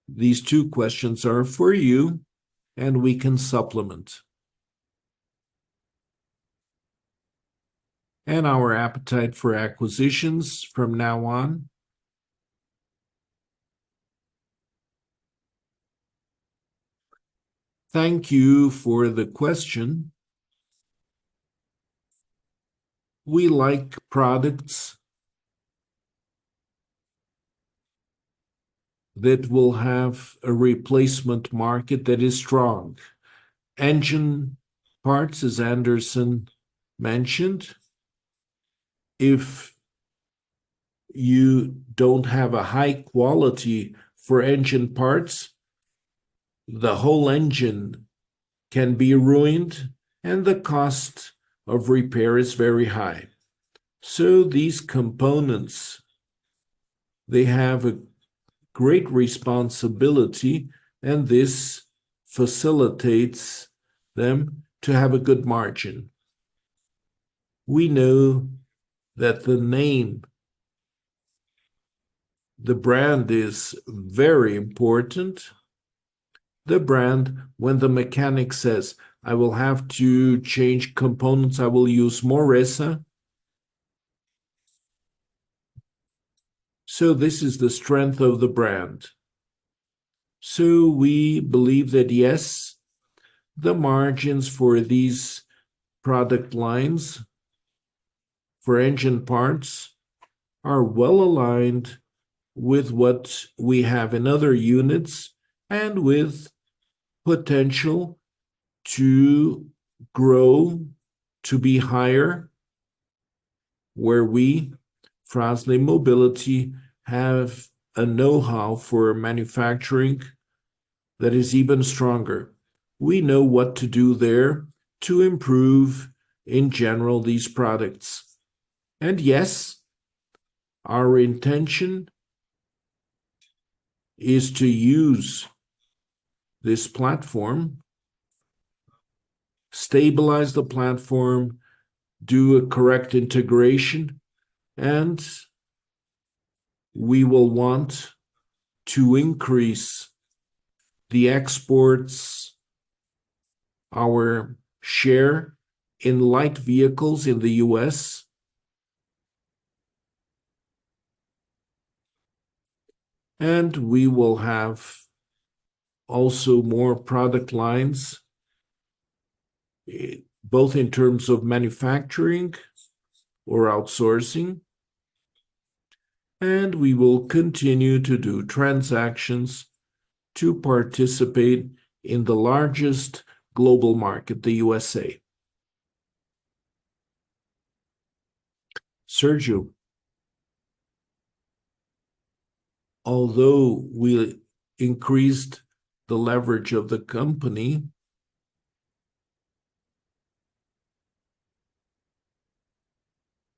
these two questions are for you, and we can supplement... and our appetite for acquisitions from now on? Thank you for the question. We like products that will have a replacement market that is strong. Engine parts, as Anderson mentioned, if you don't have a high quality for engine parts, the whole engine can be ruined, and the cost of repair is very high. So these components, they have a great responsibility, and this facilitates them to have a good margin. We know that the name, the brand, is very important. The brand, when the mechanic says, "I will have to change components, I will use Moresa." So this is the strength of the brand. So we believe that, yes, the margins for these product lines, for engine parts, are well aligned with what we have in other units, and with potential to grow to be higher, where we, Fras-le Mobility, have a know-how for manufacturing that is even stronger. We know what to do there to improve, in general, these products. And yes, our intention is to use this platform, stabilize the platform, do a correct integration, and we will want to increase the exports, our share in light vehicles in the U.S. We will have also more product lines, both in terms of manufacturing or outsourcing, and we will continue to do transactions to participate in the largest global market, the USA. Sérgio, although we increased the leverage of the company,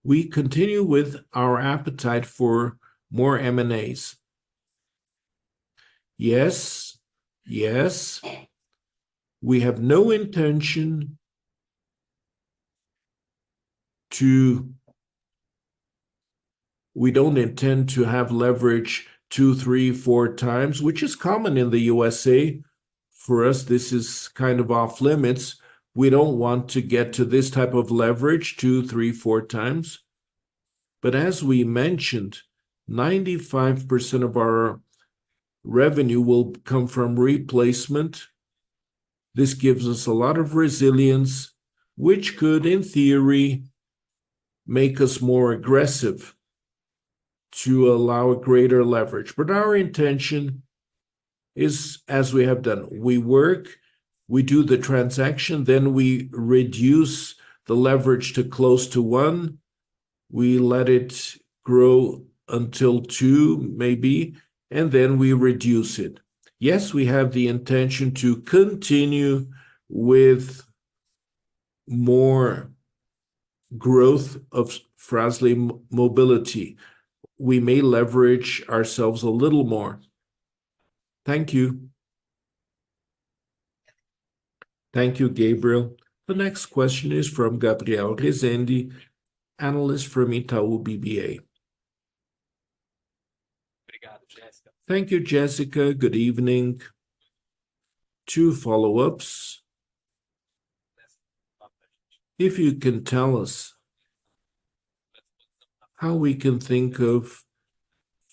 we continue with our appetite for more M&As. Yes. Yes. We have no intention to... We don't intend to have leverage two, three, four times, which is common in the USA. For us, this is kind of off limits. We don't want to get to this type of leverage two, three, four times. But as we mentioned, 95% of our revenue will come from replacement. This gives us a lot of resilience, which could, in theory, make us more aggressive to allow greater leverage. But our intention is, as we have done, we work, we do the transaction, then we reduce the leverage to close to one. We let it grow until two, maybe, and then we reduce it. Yes, we have the intention to continue with more growth of Fras-le Mobility. We may leverage ourselves a little more. Thank you. Thank you, Gabriel. The next question is from Gabriel Rezende, analyst from Itaú BBA. Thank you, Jessica. Thank you, Jessica. Good evening. Two follow-ups. If you can tell us how we can think of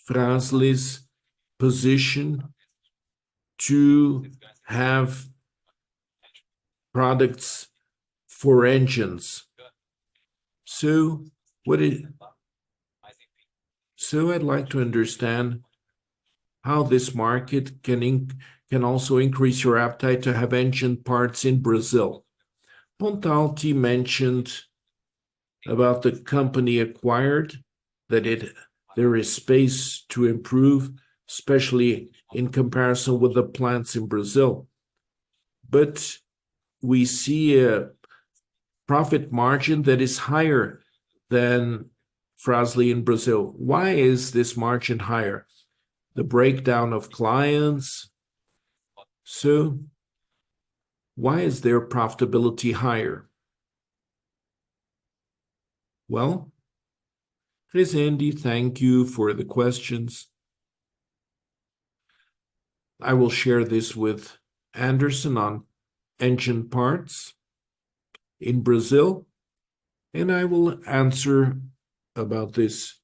Fras-le's position to have products for engines. So I'd like to understand how this market can also increase your appetite to have engine parts in Brazil. Pontalti mentioned about the company acquired, that it, there is space to improve, especially in comparison with the plants in Brazil, but we see a profit margin that is higher than Fras-le in Brazil. Why is this margin higher? The breakdown of clients. So why is their profitability higher? Well, Rezende, thank you for the questions... I will share this with Anderson on engine parts in Brazil, and I will answer about this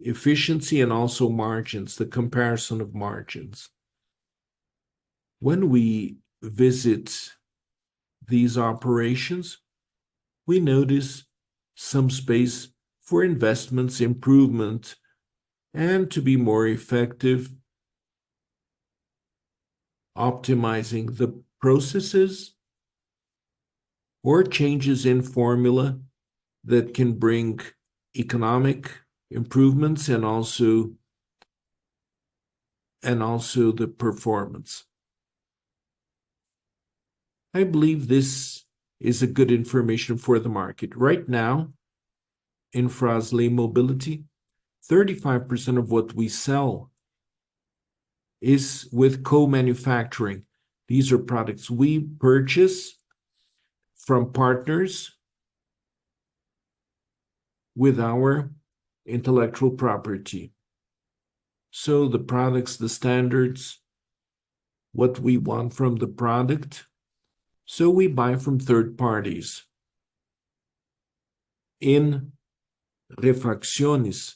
efficiency and also margins, the comparison of margins. When we visit these operations, we notice some space for investments, improvement, and to be more effective, optimizing the processes or changes in formula that can bring economic improvements and also, and also the performance. I believe this is a good information for the market. Right now, in Fras-le Mobility, 35% of what we sell is with co-manufacturing. These are products we purchase from partners with our intellectual property. So the products, the standards, what we want from the product, so we buy from third parties. In Refacciones,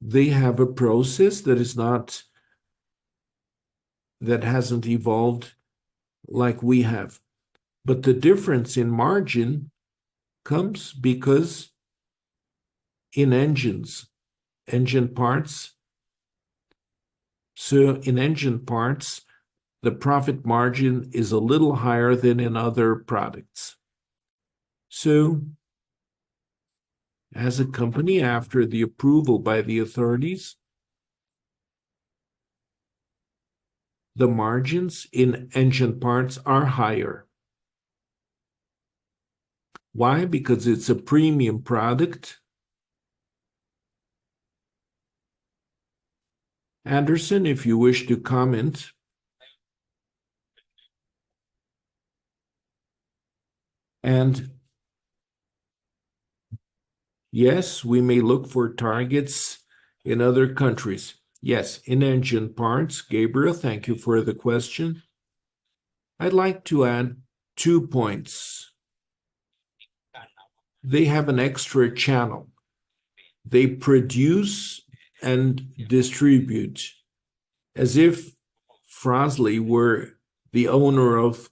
they have a process that is not-- that hasn't evolved like we have. But the difference in margin comes because in engines, engine parts, so in engine parts, the profit margin is a little higher than in other products. So as a company, after the approval by the authorities, the margins in engine parts are higher. Why? Because it's a premium product. Anderson, if you wish to comment. And yes, we may look for targets in other countries. Yes, in engine parts. Gabriel, thank you for the question. I'd like to add two points. They have an extra channel. They produce and distribute as if Fras-le were the owner of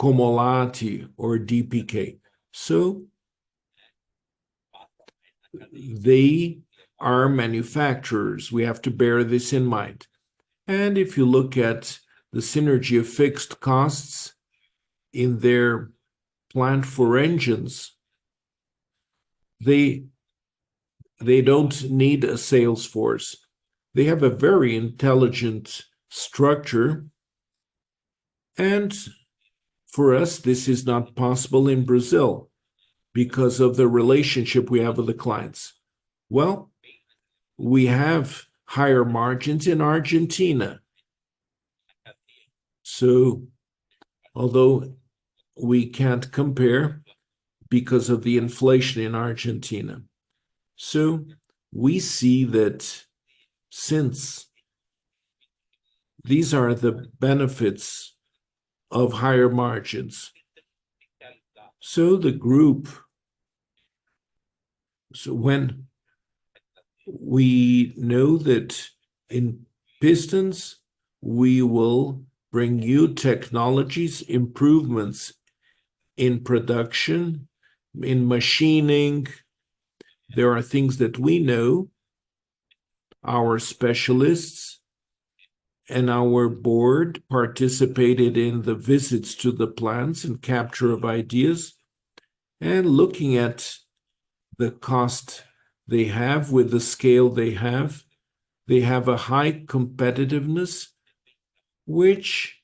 Comolatti or DPK. So they are manufacturers. We have to bear this in mind, and if you look at the synergy of fixed costs in their plant for engines, they don't need a sales force. They have a very intelligent structure, and for us, this is not possible in Brazil because of the relationship we have with the clients. Well, we have higher margins in Argentina. So although we can't compare because of the inflation in Argentina, so we see that since these are the benefits of higher margins, so the group—so when we know that in pistons, we will bring new technologies, improvements in production, in machining, there are things that we know. Our specialists and our board participated in the visits to the plants and capture of ideas, and looking at the cost they have with the scale they have, they have a high competitiveness, which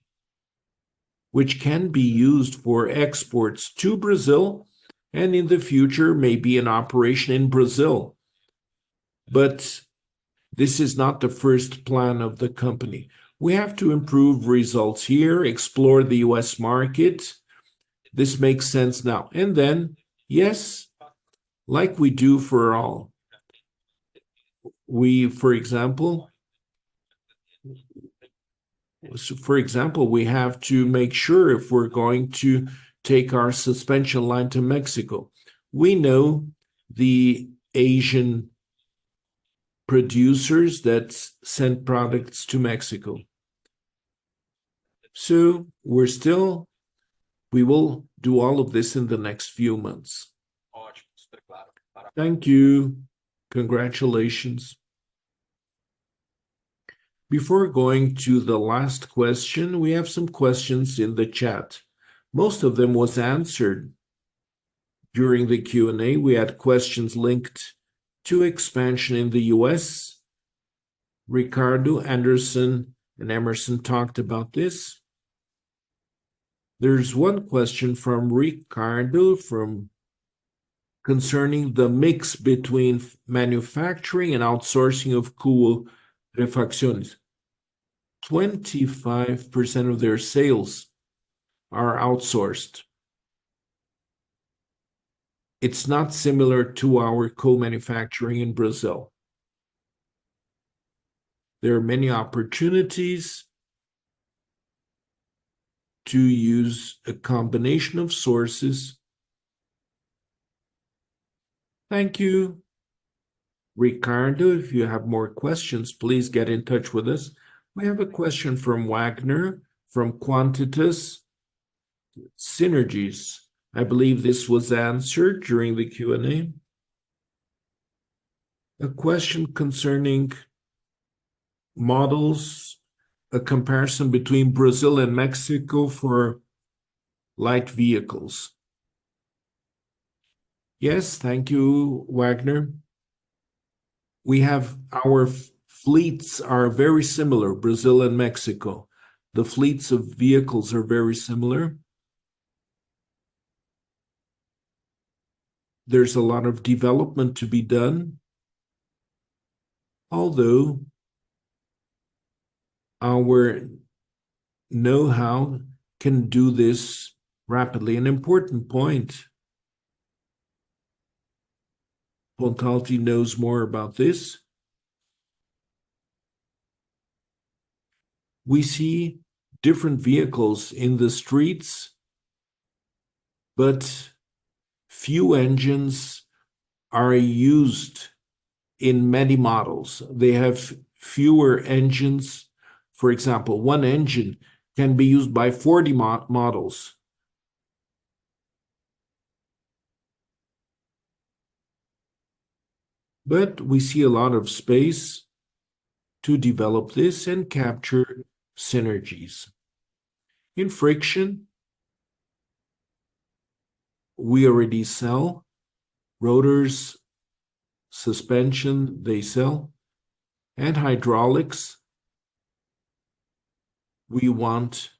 can be used for exports to Brazil, and in the future, may be an operation in Brazil. But this is not the first plan of the company. We have to improve results here, explore the U.S. market. This makes sense now. And then, yes, like we do for all, we, for example, so for example, we have to make sure if we're going to take our suspension line to Mexico. We know the Asian producers that send products to Mexico. So we're still. We will do all of this in the next few months. Thank you. Congratulations. Before going to the last question, we have some questions in the chat. Most of them was answered during the Q&A. We had questions linked to expansion in the U.S. Ricardo, Anderson, and Hemerson talked about this. There's one question from Ricardo from... concerning the mix between manufacturing and outsourcing of KUO Refacciones. 25% of their sales are outsourced. It's not similar to our co-manufacturing in Brazil. There are many opportunities to use a combination of sources. Thank you, Ricardo. If you have more questions, please get in touch with us. We have a question from Wagner, from Quantitas. I believe this was answered during the Q&A. A question concerning models, a comparison between Brazil and Mexico for light vehicles. Yes, thank you, Wagner. Our fleets are very similar, Brazil and Mexico. The fleets of vehicles are very similar. There's a lot of development to be done, although our know-how can do this rapidly. An important point, Pontalti knows more about this. We see different vehicles in the streets, but few engines are used in many models. They have fewer engines. For example, one engine can be used by 40 models. But we see a lot of space to develop this and capture synergies. In friction, we already sell rotors, suspension, they sell, and hydraulics. We want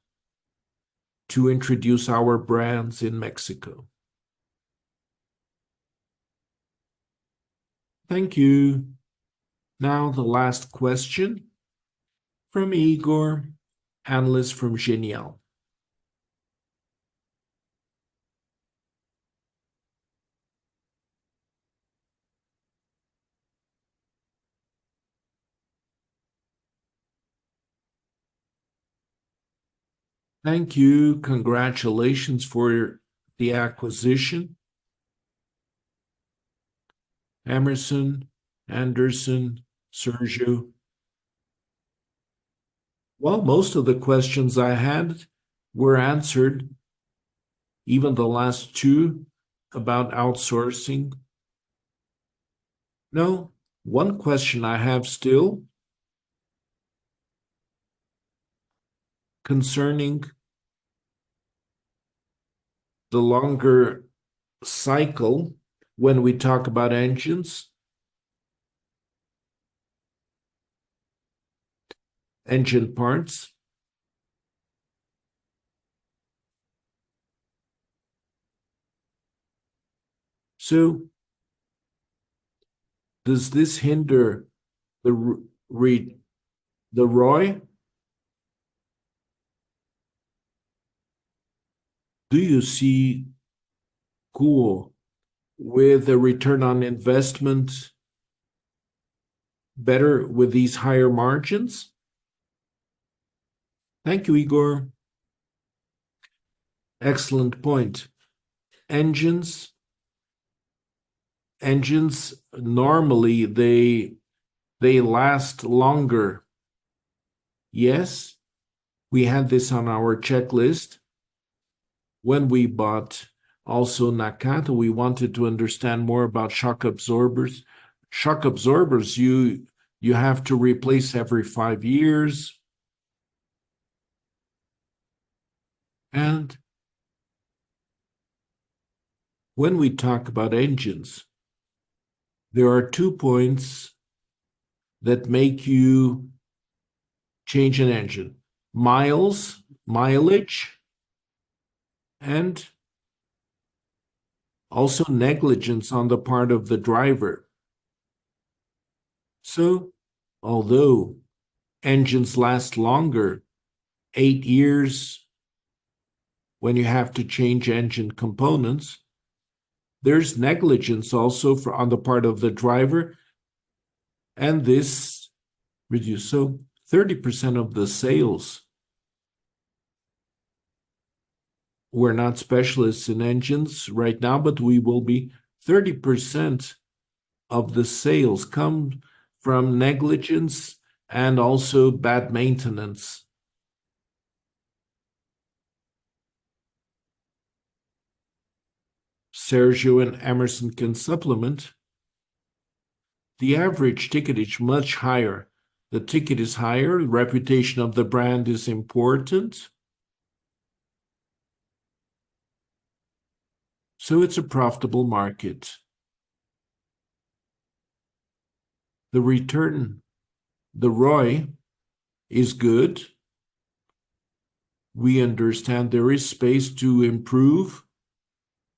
to introduce our brands in Mexico. Thank you. Now, the last question from Igor, analyst from Genial. Thank you. Congratulations for your, the acquisition, Hemerson, Anderson, Sérgio. Well, most of the questions I had were answered, even the last two about outsourcing. Now, one question I have still concerning the longer cycle when we talk about engines, engine parts. So does this hinder the ROI? Do you see KUO with the return on investment better with these higher margins? Thank you, Igor. Excellent point. Engines, engines, normally they, they last longer. Yes, we had this on our checklist. When we bought also Nakata, we wanted to understand more about shock absorbers. Shock absorbers, you, you have to replace every five years. And when we talk about engines, there are two points that make you change an engine: miles, mileage, and also negligence on the part of the driver. So although engines last longer, eight years, when you have to change engine components, there's negligence also on the part of the driver, and this reduces. So 30% of the sales, we're not specialists in engines right now, but we will be. 30% of the sales come from negligence and also bad maintenance. Sérgio and Hemerson can supplement. The average ticket is much higher. The ticket is higher, reputation of the brand is important. So it's a profitable market. The return, the ROI is good. We understand there is space to improve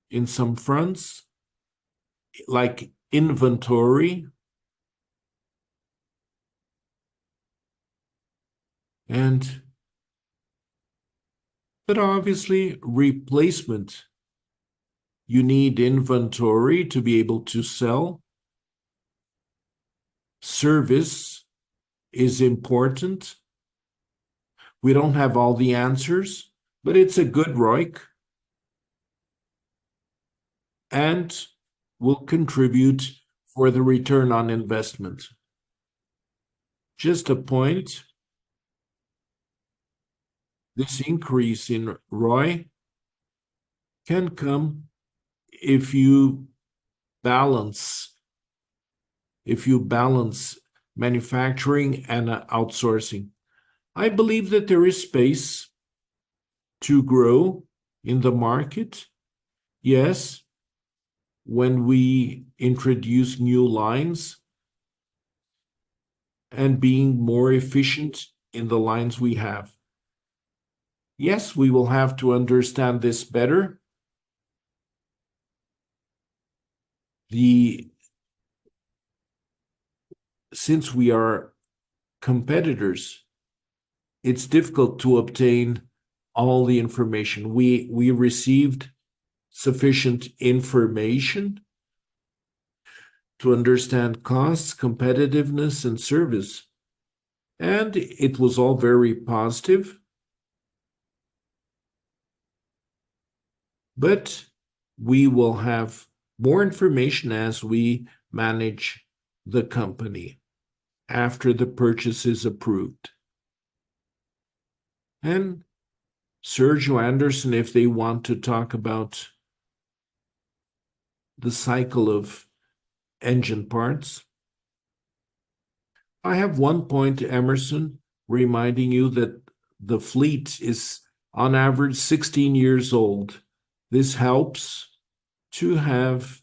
in some fronts, like inventory. But obviously replacement, you need inventory to be able to sell. Service is important. We don't have all the answers, but it's a good ROIC, and will contribute for the return on investment. Just a point, this increase in ROI can come if you balance, if you balance manufacturing and outsourcing. I believe that there is space to grow in the market. Yes, when we introduce new lines and being more efficient in the lines we have. Yes, we will have to understand this better. Since we are competitors, it's difficult to obtain all the information. We received sufficient information to understand costs, competitiveness, and service, and it was all very positive. But we will have more information as we manage the company after the purchase is approved. And Sérgio, Anderson, if they want to talk about the cycle of engine parts. I have one point, Hemerson, reminding you that the fleet is on average 16 years old. This helps to have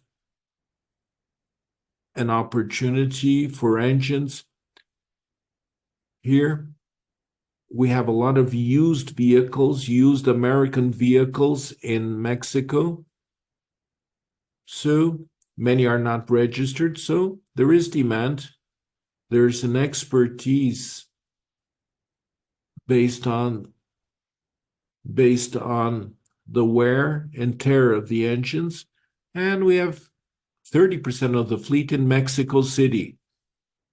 an opportunity for engines. Here we have a lot of used vehicles, used American vehicles in Mexico, so many are not registered, so there is demand. There's an expertise based on the wear and tear of the engines, and we have 30% of the fleet in Mexico City,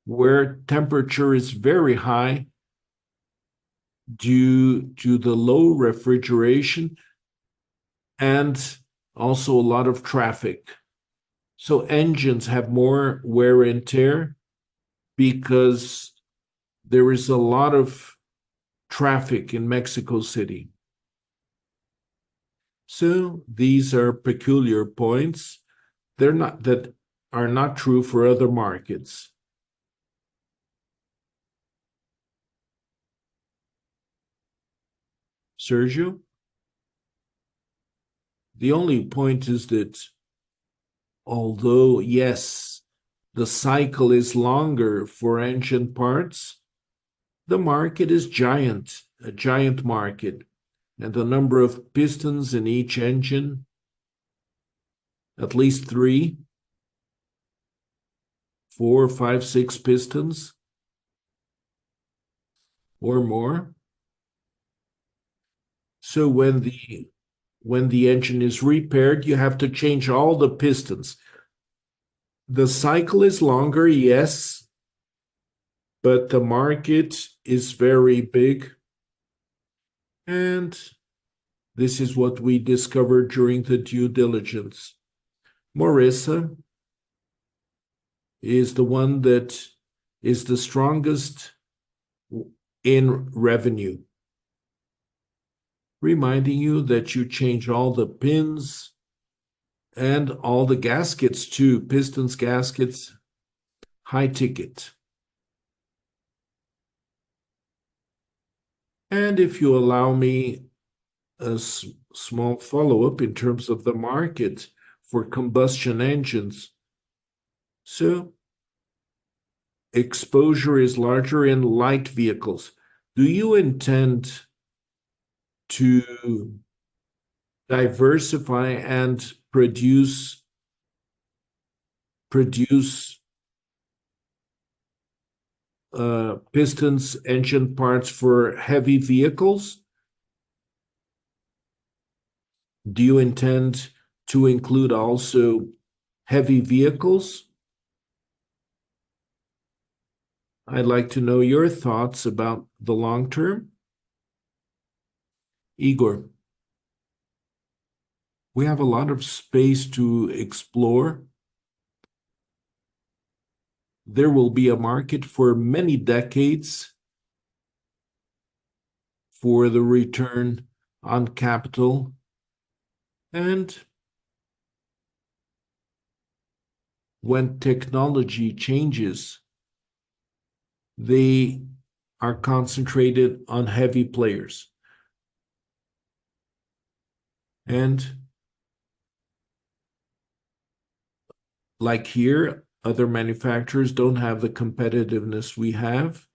where temperature is very high due to the low refrigeration and also a lot of traffic. So engines have more wear and tear because there is a lot of traffic in Mexico City. So these are peculiar points. They're not true for other markets. Sérgio? The only point is that although, yes, the cycle is longer for engine parts, the market is giant, a giant market, and the number of pistons in each engine, at least three, four, five, six pistons or more. So when the engine is repaired, you have to change all the pistons. The cycle is longer, yes, but the market is very big, and this is what we discovered during the due diligence. Moresa is the one that is the strongest in revenue, reminding you that you change all the pins and all the gaskets too, pistons, gaskets, high ticket. And if you allow me a small follow-up in terms of the market for combustion engines. So exposure is larger in light vehicles. Do you intend to diversify and produce, produce, pistons, engine parts for heavy vehicles? Do you intend to include also heavy vehicles? I'd like to know your thoughts about the long term. Igor. We have a lot of space to explore. There will be a market for many decades for the return on capital, and when technology changes, they are concentrated on heavy players. And like here, other manufacturers don't have the competitiveness we have.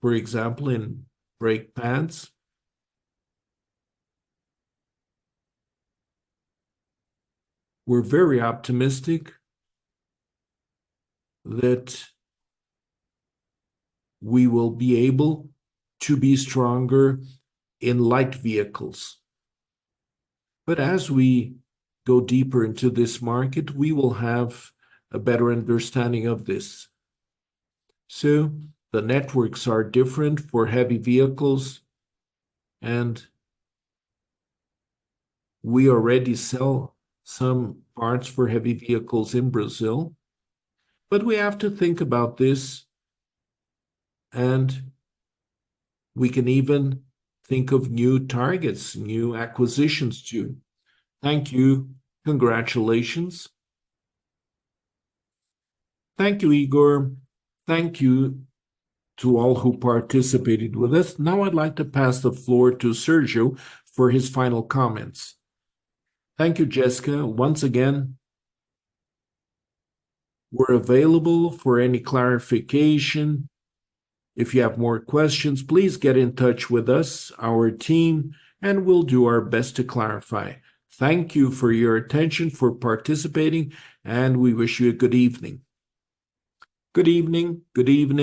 For example, in brake pads. We're very optimistic that we will be able to be stronger in light vehicles. But as we go deeper into this market, we will have a better understanding of this. So the networks are different for heavy vehicles, and we already sell some parts for heavy vehicles in Brazil, but we have to think about this, and we can even think of new targets, new acquisitions too. Thank you. Congratulations. Thank you, Igor. Thank you to all who participated with us. Now, I'd like to pass the floor to Sérgio for his final comments. Thank you, Jessica. Once again, we're available for any clarification. If you have more questions, please get in touch with us, our team, and we'll do our best to clarify. Thank you for your attention, for participating, and we wish you a good evening. Good evening. Good evening.